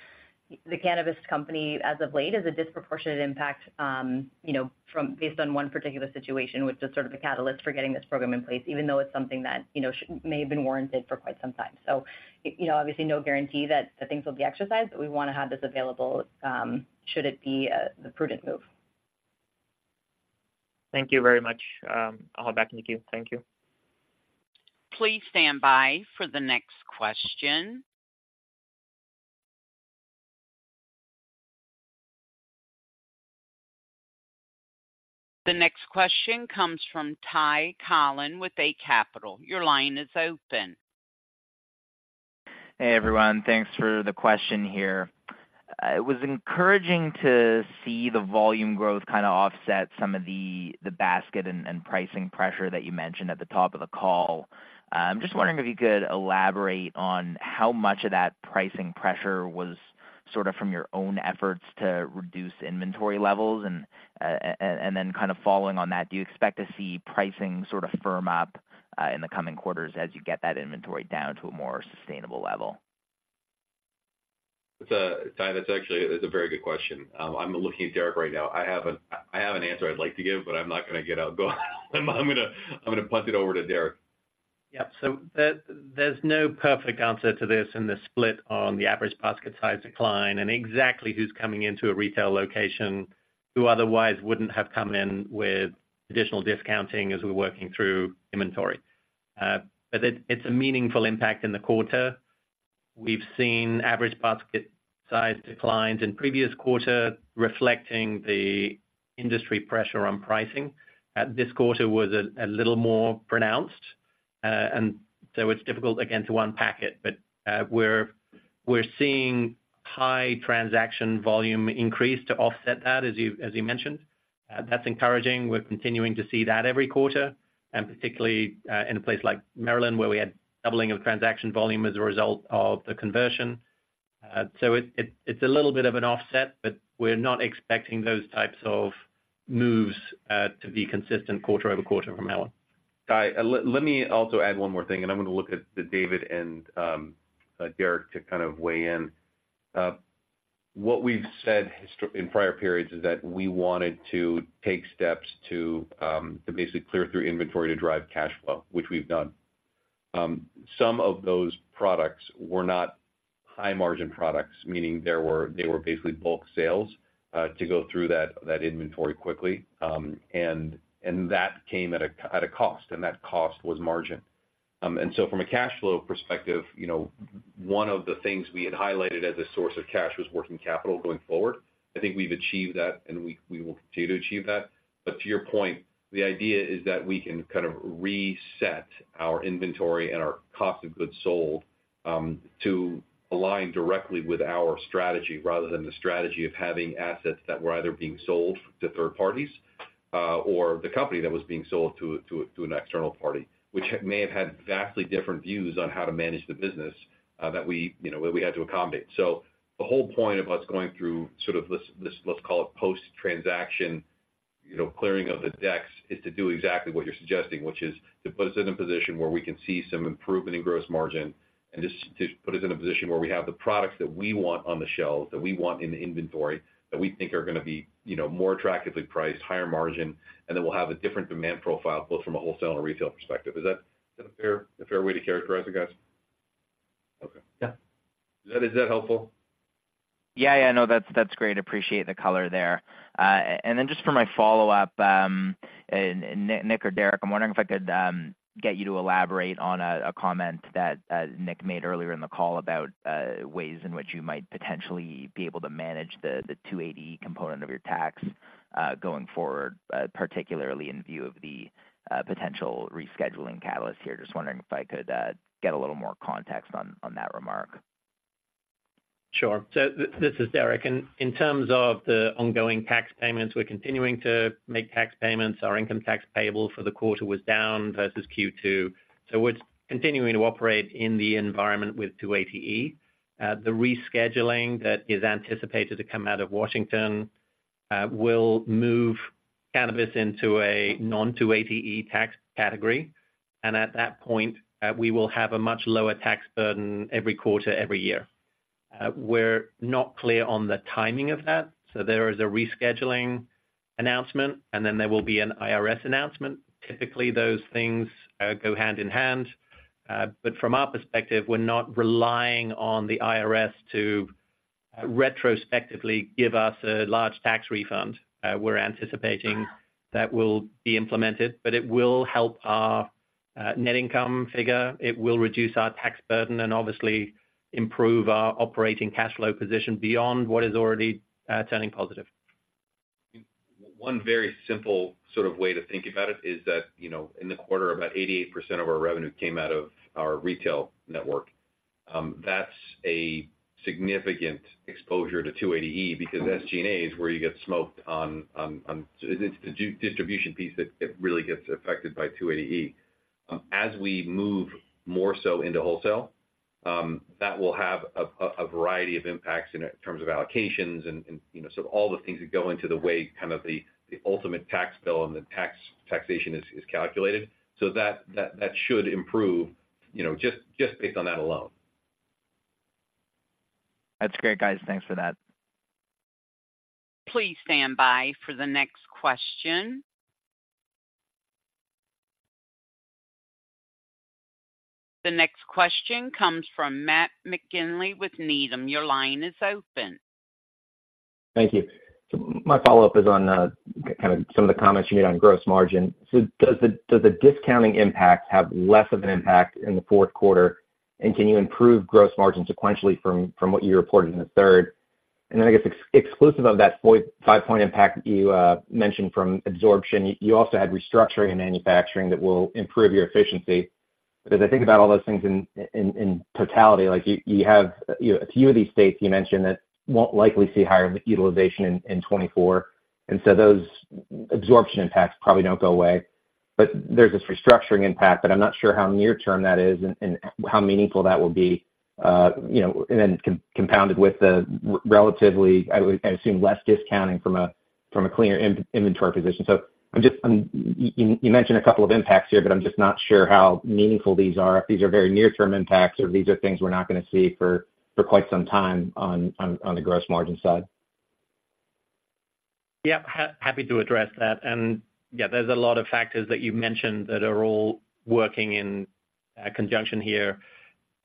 The Cannabist Company as of late is a disproportionate impact, you know, from based on one particular situation, which is sort of the catalyst for getting this program in place, even though it's something that, you know, may have been warranted for quite some time. So, you know, obviously, no guarantee that the things will be exercised, but we wanna have this available, should it be the prudent move. ...Thank you very much. I'll hop back into queue. Thank you. Please stand by for the next question. The next question comes from Ty Collin with Eight Capital. Your line is open. Hey, everyone. Thanks for the question here. It was encouraging to see the volume growth kind of offset some of the, the basket and pricing pressure that you mentioned at the top of the call. I'm just wondering if you could elaborate on how much of that pricing pressure was sort of from your own efforts to reduce inventory levels. And, then kind of following on that, do you expect to see pricing sort of firm up, in the coming quarters as you get that inventory down to a more sustainable level? It's Ty, that's actually a very good question. I'm looking at Derek right now. I have an answer I'd like to give, but I'm not gonna, I'm gonna punt it over to Derek. Yeah. So there, there's no perfect answer to this in the split on the average basket size decline and exactly who's coming into a retail location, who otherwise wouldn't have come in with additional discounting as we're working through inventory. But it, it's a meaningful impact in the quarter. We've seen average basket size declines in previous quarter, reflecting the industry pressure on pricing. This quarter was a little more pronounced, and so it's difficult again to unpack it. But we're seeing high transaction volume increase to offset that, as you mentioned. That's encouraging. We're continuing to see that every quarter, and particularly in a place like Maryland, where we had doubling of transaction volume as a result of the conversion. So it's a little bit of an offset, but we're not expecting those types of moves to be consistent quarter-over-quarter from now on. Ty, let me also add one more thing, and I'm gonna look at David and Derek to kind of weigh in. What we've said historically in prior periods is that we wanted to take steps to basically clear through inventory to drive cash flow, which we've done. Some of those products were not high margin products, meaning they were basically bulk sales to go through that inventory quickly. And that came at a cost, and that cost was margin. And so from a cash flow perspective, you know, one of the things we had highlighted as a source of cash was working capital going forward. I think we've achieved that, and we will continue to achieve that. But to your point, the idea is that we can kind of reset our inventory and our cost of goods sold, to align directly with our strategy, rather than the strategy of having assets that were either being sold to third parties, or the company that was being sold to an external party, which may have had vastly different views on how to manage the business, that we, you know, that we had to accommodate. So the whole point of us going through sort of let's call it post-transaction, you know, clearing of the decks, is to do exactly what you're suggesting, which is to put us in a position where we can see some improvement in gross margin, and just to put us in a position where we have the products that we want on the shelves, that we want in the inventory, that we think are gonna be, you know, more attractively priced, higher margin, and then we'll have a different demand profile, both from a wholesale and retail perspective. Is that a fair way to characterize it, guys? Okay. Yeah. Is that, is that helpful? Yeah, yeah. No, that's, that's great. Appreciate the color there. And then just for my follow-up, and Nick or Derek, I'm wondering if I could get you to elaborate on a comment that Nick made earlier in the call about ways in which you might potentially be able to manage the 280E component of your tax going forward, particularly in view of the potential rescheduling catalyst here. Just wondering if I could get a little more context on that remark. Sure. So this is Derek. And in terms of the ongoing tax payments, we're continuing to make tax payments. Our income tax payable for the quarter was down versus Q2, so we're continuing to operate in the environment with 280E. The rescheduling that is anticipated to come out of Washington will move cannabis into a non-280E tax category, and at that point we will have a much lower tax burden every quarter, every year. We're not clear on the timing of that, so there is a rescheduling announcement, and then there will be an IRS announcement. Typically, those things go hand in hand. But from our perspective, we're not relying on the IRS to retrospectively give us a large tax refund. We're anticipating that will be implemented, but it will help our net income figure. It will reduce our tax burden and obviously improve our operating cash flow position beyond what is already turning positive. One very simple sort of way to think about it is that, you know, in the quarter, about 88% of our revenue came out of our retail network. That's a significant exposure to 280E, because SG&A is where you get smoked on. It's the distribution piece that really gets affected by 280E. As we move more so into wholesale, that will have a variety of impacts in terms of allocations and, you know, sort of all the things that go into the way, kind of the ultimate tax bill and the taxation is calculated. So that should improve, you know, just based on that alone. That's great, guys. Thanks for that. Please stand by for the next question. The next question comes from Matt McGinley with Needham. Your line is open. Thank you. So my follow-up is on kind of some of the comments you made on gross margin. So does the discounting impact have less of an impact in the fourth quarter? And can you improve gross margin sequentially from what you reported in the third? And then, I guess, exclusive of that 0.5-point impact you mentioned from absorption, you also had restructuring and manufacturing that will improve your efficiency. As I think about all those things in totality, like you have, you know, a few of these states you mentioned that won't likely see higher utilization in 2024, and so those absorption impacts probably don't go away. But there's this restructuring impact that I'm not sure how near-term that is and, and how meaningful that will be, you know, and then compounded with the relatively, I would assume, less discounting from a, from a cleaner inventory position. So I'm just... You mentioned a couple of impacts here, but I'm just not sure how meaningful these are. If these are very near-term impacts, or these are things we're not gonna see for quite some time on the gross margin side. Yeah, happy to address that. Yeah, there's a lot of factors that you mentioned that are all working in conjunction here.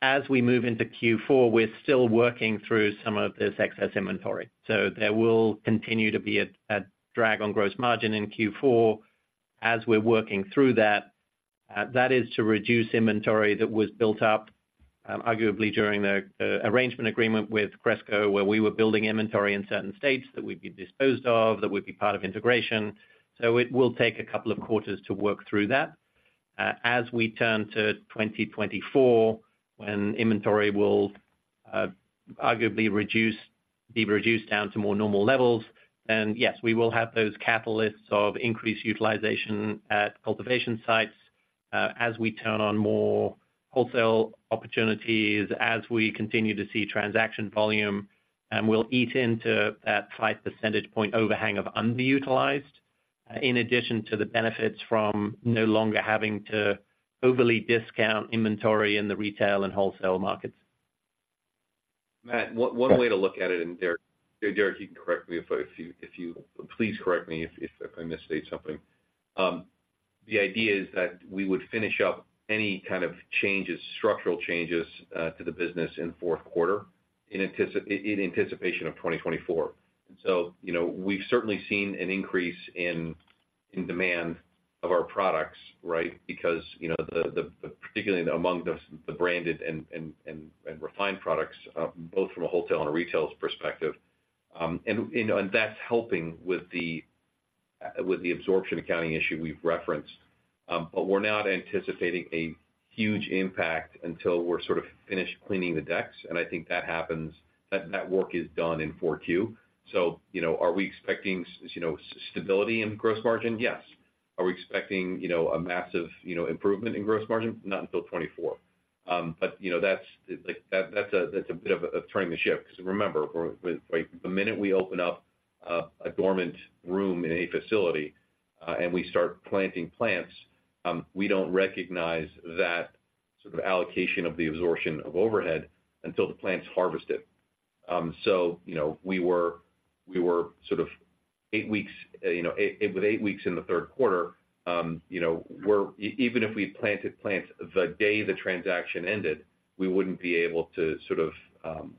As we move into Q4, we're still working through some of this excess inventory, so there will continue to be a drag on gross margin in Q4 as we're working through that. That is to reduce inventory that was built up, arguably during the arrangement agreement with Cresco, where we were building inventory in certain states that would be disposed of, that would be part of integration. So it will take a couple of quarters to work through that. As we turn to 2024, when inventory will, arguably reduce, be reduced down to more normal levels, then, yes, we will have those catalysts of increased utilization at cultivation sites, as we turn on more wholesale opportunities, as we continue to see transaction volume, and we'll eat into that five percentage point overhang of underutilized, in addition to the benefits from no longer having to overly discount inventory in the retail and wholesale markets. Matt, one way to look at it, and Derek, you can correct me if you please correct me if I misstate something. The idea is that we would finish up any kind of changes, structural changes, to the business in fourth quarter, in anticipation of 2024. And so, you know, we've certainly seen an increase in demand of our products, right? Because, you know, particularly among the branded and refined products, both from a wholesale and a retail perspective, and that's helping with the absorption accounting issue we've referenced. But we're not anticipating a huge impact until we're sort of finished cleaning the decks, and I think that happens. That work is done in Q4. So, you know, are we expecting, as you know, stability in gross margin? Yes. Are we expecting, you know, a massive, you know, improvement in gross margin? Not until 2024. But, you know, that's like a bit of turning the ship, because remember, with, like, the minute we open up a dormant room in any facility, and we start planting plants, we don't recognize that sort of allocation of the absorption of overhead until the plant's harvested. So, you know, we were sort of eight weeks with eight weeks in the third quarter, you know, we're even if we planted plants the day the transaction ended, we wouldn't be able to sort of,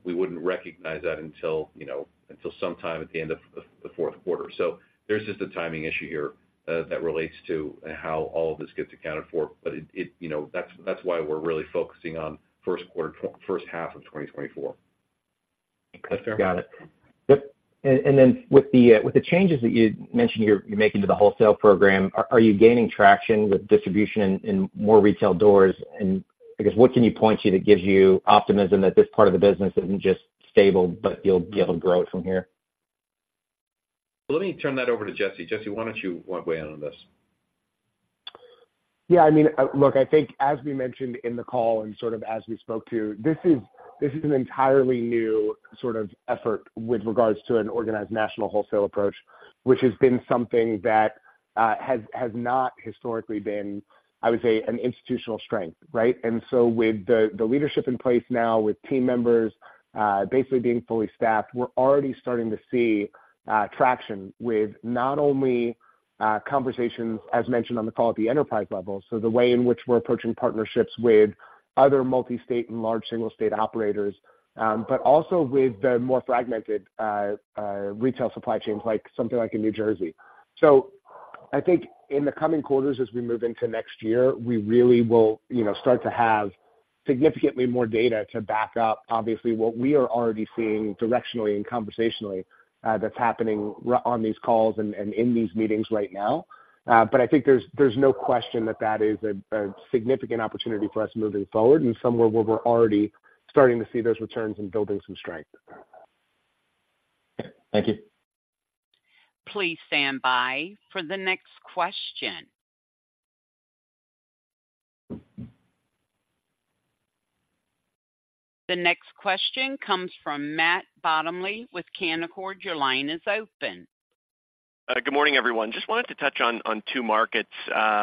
we wouldn't recognize that until, you know, until sometime at the end of the fourth quarter. So there's just a timing issue here that relates to how all of this gets accounted for. But it, you know, that's why we're really focusing on first quarter, first half of 2024. Got it. Yep. Then with the changes that you mentioned you're making to the wholesale program, are you gaining traction with distribution in more retail doors? And I guess, what can you point to that gives you optimism that this part of the business isn't just stable, but you'll be able to grow it from here? Let me turn that over to Jesse. Jesse, why don't you weigh in on this? Yeah, I mean, look, I think as we mentioned in the call and sort of as we spoke to, this is an entirely new sort of effort with regards to an organized national wholesale approach, which has been something that has not historically been, I would say, an institutional strength, right? And so with the leadership in place now, with team members basically being fully staffed, we're already starting to see traction with not only conversations, as mentioned on the call, at the enterprise level, so the way in which we're approaching partnerships with other multi-state and large single-state operators, but also with the more fragmented retail supply chains, like something like in New Jersey. So I think in the coming quarters, as we move into next year, we really will, you know, start to have significantly more data to back up, obviously, what we are already seeing directionally and conversationally, that's happening on these calls and in these meetings right now. But I think there's no question that that is a significant opportunity for us moving forward and somewhere where we're already starting to see those returns and building some strength. Thank you. Please stand by for the next question. The next question comes from Matt Bottomley with Canaccord. Your line is open. ... Good morning, everyone. Just wanted to touch on two markets,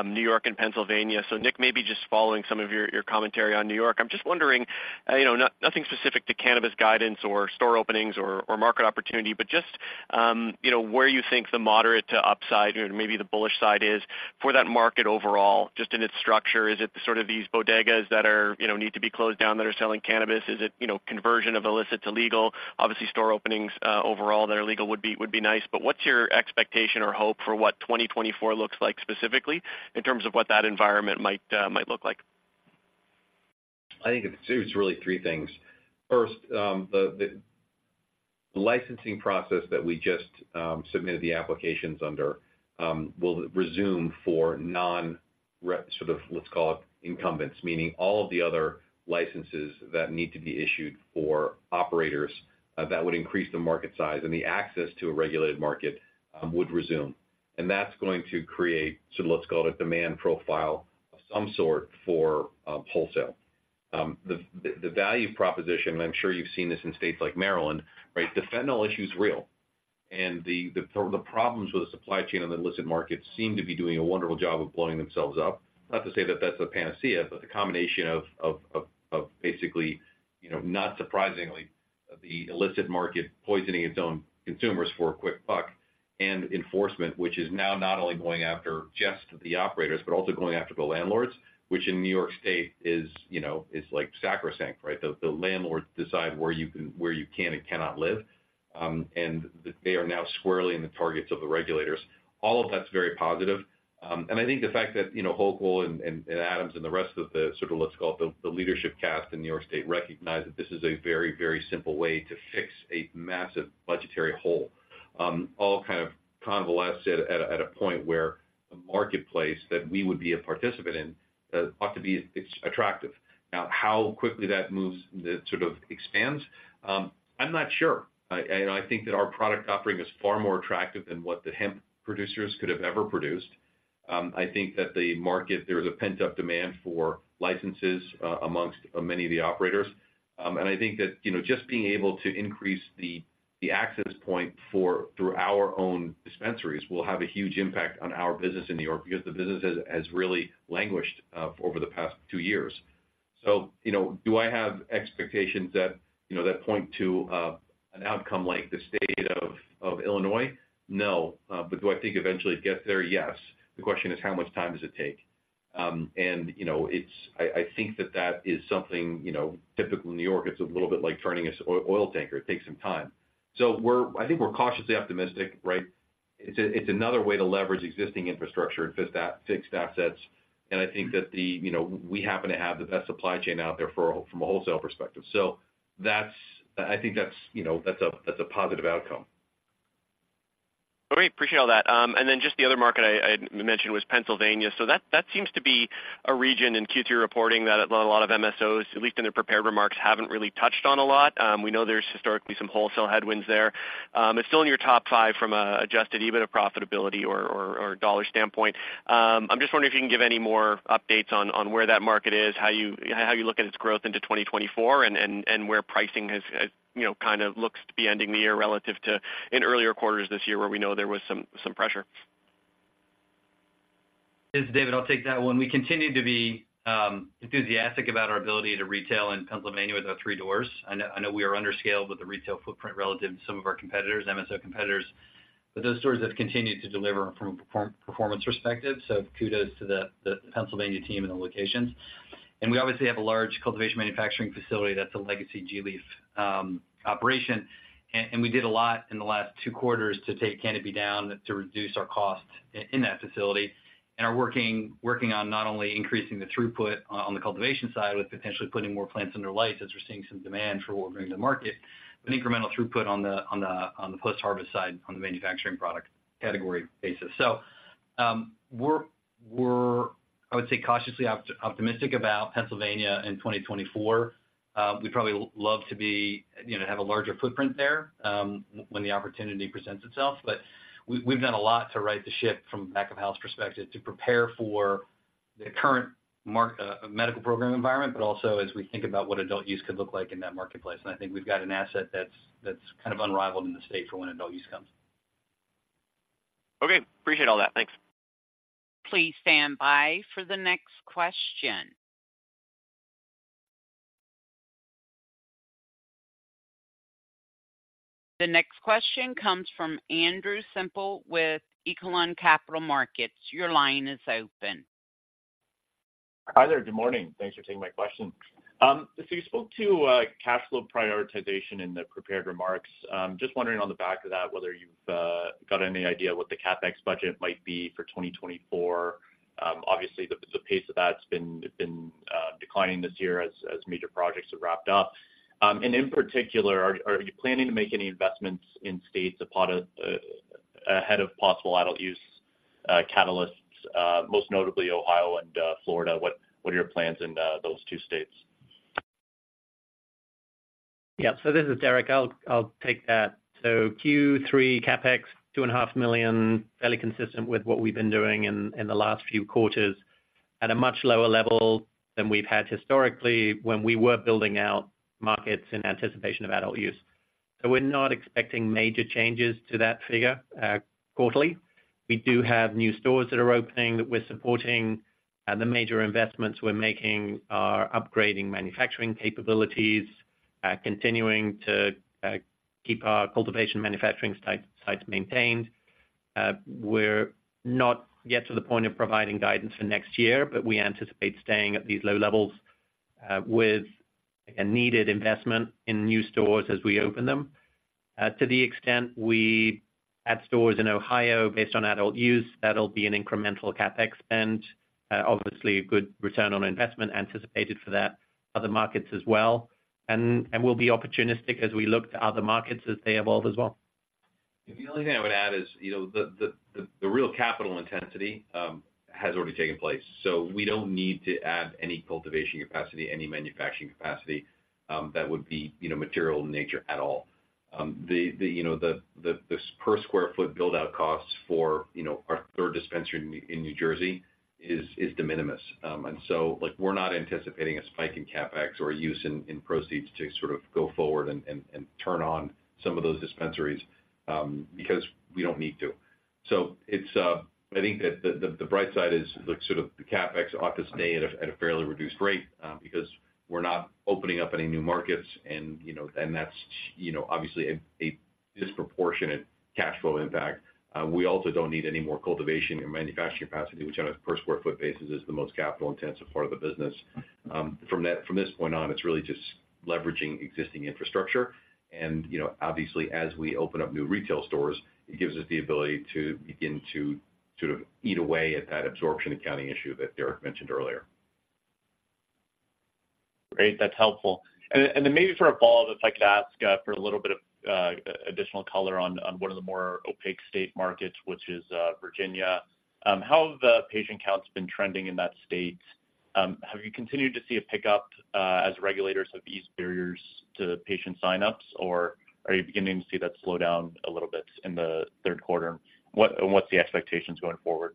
New York and Pennsylvania. So Nick, maybe just following some of your commentary on New York. I'm just wondering, you know, nothing specific to cannabis guidance or store openings or market opportunity, but just, you know, where you think the moderate to upside, or maybe the bullish side is for that market overall, just in its structure. Is it the sort of these bodegas that are, you know, need to be closed down that are selling cannabis? Is it, you know, conversion of illicit to legal? Obviously, store openings overall that are legal would be nice. But what's your expectation or hope for what 2024 looks like specifically, in terms of what that environment might look like? I think it's really three things. First, the licensing process that we just submitted the applications under will resume for non-re... Sort of, let's call it, incumbents, meaning all of the other licenses that need to be issued for operators that would increase the market size and the access to a regulated market would resume. And that's going to create, so let's call it, a demand profile of some sort for wholesale. The value proposition, I'm sure you've seen this in states like Maryland, right? The fentanyl issue is real, and the problems with the supply chain on the illicit market seem to be doing a wonderful job of blowing themselves up. Not to say that that's a panacea, but the combination of basically, you know, not surprisingly, the illicit market poisoning its own consumers for a quick buck and enforcement, which is now not only going after just the operators, but also going after the landlords, which in New York State is, you know, is like sacrosanct, right? The landlords decide where you can, where you can and cannot live, and they are now squarely in the targets of the regulators. All of that's very positive. And I think the fact that, you know, Hochul and Adams and the rest of the sort of, let's call it, the leadership cast in New York State recognize that this is a very, very simple way to fix a massive budgetary hole. All kind of coalesced at a point where the marketplace that we would be a participant in ought to be, it's attractive. Now, how quickly that moves, that sort of expands? I'm not sure. And I think that our product offering is far more attractive than what the hemp producers could have ever produced. I think that the market, there is a pent-up demand for licenses amongst many of the operators. And I think that, you know, just being able to increase the access point for through our own dispensaries will have a huge impact on our business in New York because the business has really languished over the past two years. So, you know, do I have expectations that, you know, that point to an outcome like the state of Illinois? No. But do I think eventually it gets there? Yes. The question is, how much time does it take? And, you know, it's... I, I think that that is something, you know, typically in New York, it's a little bit like turning a oil tanker. It takes some time. So we're I think we're cautiously optimistic, right? It's a, it's another way to leverage existing infrastructure and fixed assets. And I think that the, you know, we happen to have the best supply chain out there for, from a wholesale perspective. So that's, I think that's, you know, that's a, that's a positive outcome. Okay, appreciate all that. And then just the other market I mentioned was Pennsylvania. So that seems to be a region in Q3 reporting that a lot of MSOs, at least in their prepared remarks, haven't really touched on a lot. We know there's historically some wholesale headwinds there. It's still in your top five from an Adjusted EBITDA profitability or dollar standpoint. I'm just wondering if you can give any more updates on where that market is, how you look at its growth into 2024, and where pricing has you know kind of looks to be ending the year relative to in earlier quarters this year, where we know there was some pressure. This is David. I'll take that one. We continue to be enthusiastic about our ability to retail in Pennsylvania with our three doors. I know, I know we are under scaled with the retail footprint relative to some of our competitors, MSO competitors, but those stores have continued to deliver from a performance perspective. So kudos to the Pennsylvania team and the locations. And we obviously have a large cultivation manufacturing facility that's a legacy gLeaf operation. We did a lot in the last two quarters to take canopy down to reduce our costs in that facility, and are working on not only increasing the throughput on the cultivation side with potentially putting more plants under light as we're seeing some demand for what we're bringing to market, but incremental throughput on the post-harvest side, on the manufacturing product category basis. So, we're, I would say, cautiously optimistic about Pennsylvania in 2024. We'd probably love to be, you know, have a larger footprint there when the opportunity presents itself. But we've done a lot to right the ship from a back-of-house perspective to prepare for the current medical program environment, but also as we think about what adult use could look like in that marketplace. I think we've got an asset that's kind of unrivaled in the state for when adult use comes. Okay, appreciate all that. Thanks. Please stand by for the next question. The next question comes from Andrew Semple with Echelon Capital Markets. Your line is open. Hi there. Good morning. Thanks for taking my question. So you spoke to cash flow prioritization in the prepared remarks. Just wondering on the back of that, whether you've got any idea what the CapEx budget might be for 2024. Obviously, the pace of that's been declining this year as major projects have wrapped up. And in particular, are you planning to make any investments in states upon a ahead of possible adult use catalysts, most notably Ohio and Florida? What are your plans in those two states? Yeah. So this is Derek. I'll take that. So Q3 CapEx, $2.5 million, fairly consistent with what we've been doing in the last few quarters. At a much lower level than we've had historically when we were building out markets in anticipation of adult use. So we're not expecting major changes to that figure quarterly. We do have new stores that are opening, that we're supporting. And the major investments we're making are upgrading manufacturing capabilities, continuing to keep our cultivation manufacturing sites maintained. We're not yet to the point of providing guidance for next year, but we anticipate staying at these low levels with a needed investment in new stores as we open them. To the extent we add stores in Ohio based on adult use, that'll be an incremental CapEx, and obviously, a good return on investment anticipated for that, other markets as well. And we'll be opportunistic as we look to other markets as they evolve as well. The only thing I would add is, you know, the real capital intensity has already taken place. So we don't need to add any cultivation capacity, any manufacturing capacity that would be, you know, material in nature at all. The, you know, the this per square foot build-out costs for, you know, our third dispensary in New Jersey is de minimis. And so, like, we're not anticipating a spike in CapEx or use in proceeds to sort of go forward and turn on some of those dispensaries, because we don't need to. So it's... I think that the bright side is like sort of the CapEx offset at a fairly reduced rate, because we're not opening up any new markets and, you know, and that's, you know, obviously a disproportionate cash flow impact. We also don't need any more cultivation and manufacturing capacity, which on a per square foot basis, is the most capital-intensive part of the business. From this point on, it's really just leveraging existing infrastructure. And, you know, obviously, as we open up new retail stores, it gives us the ability to begin to sort of eat away at that absorption accounting issue that Derek mentioned earlier. Great, that's helpful. And then maybe for a follow-up, if I could ask for a little bit of additional color on one of the more opaque state markets, which is Virginia. How have the patient counts been trending in that state? Have you continued to see a pickup as regulators have eased barriers to patient signups, or are you beginning to see that slow down a little bit in the third quarter? And what's the expectations going forward?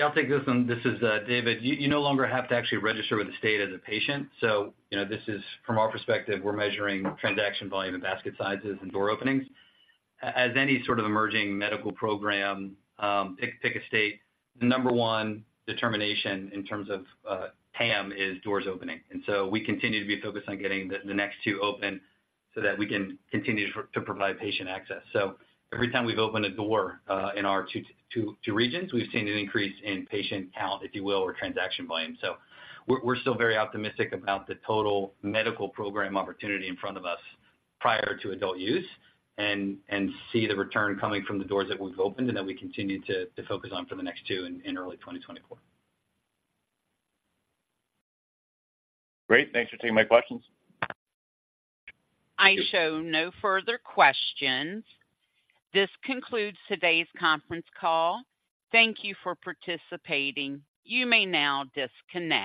I'll take this one. This is, David. You no longer have to actually register with the state as a patient, so you know, this is, from our perspective, we're measuring transaction volume and basket sizes and door openings. As any sort of emerging medical program, pick a state, the number one determination in terms of, TAM is doors opening. And so we continue to be focused on getting the next two open, so that we can continue to provide patient access. So every time we've opened a door, in our two regions, we've seen an increase in patient count, if you will, or transaction volume. So we're still very optimistic about the total medical program opportunity in front of us prior to adult use, and see the return coming from the doors that we've opened and that we continue to focus on for the next two in early 2024. Great. Thanks for taking my questions. I show no further questions. This concludes today's conference call. Thank you for participating. You may now disconnect.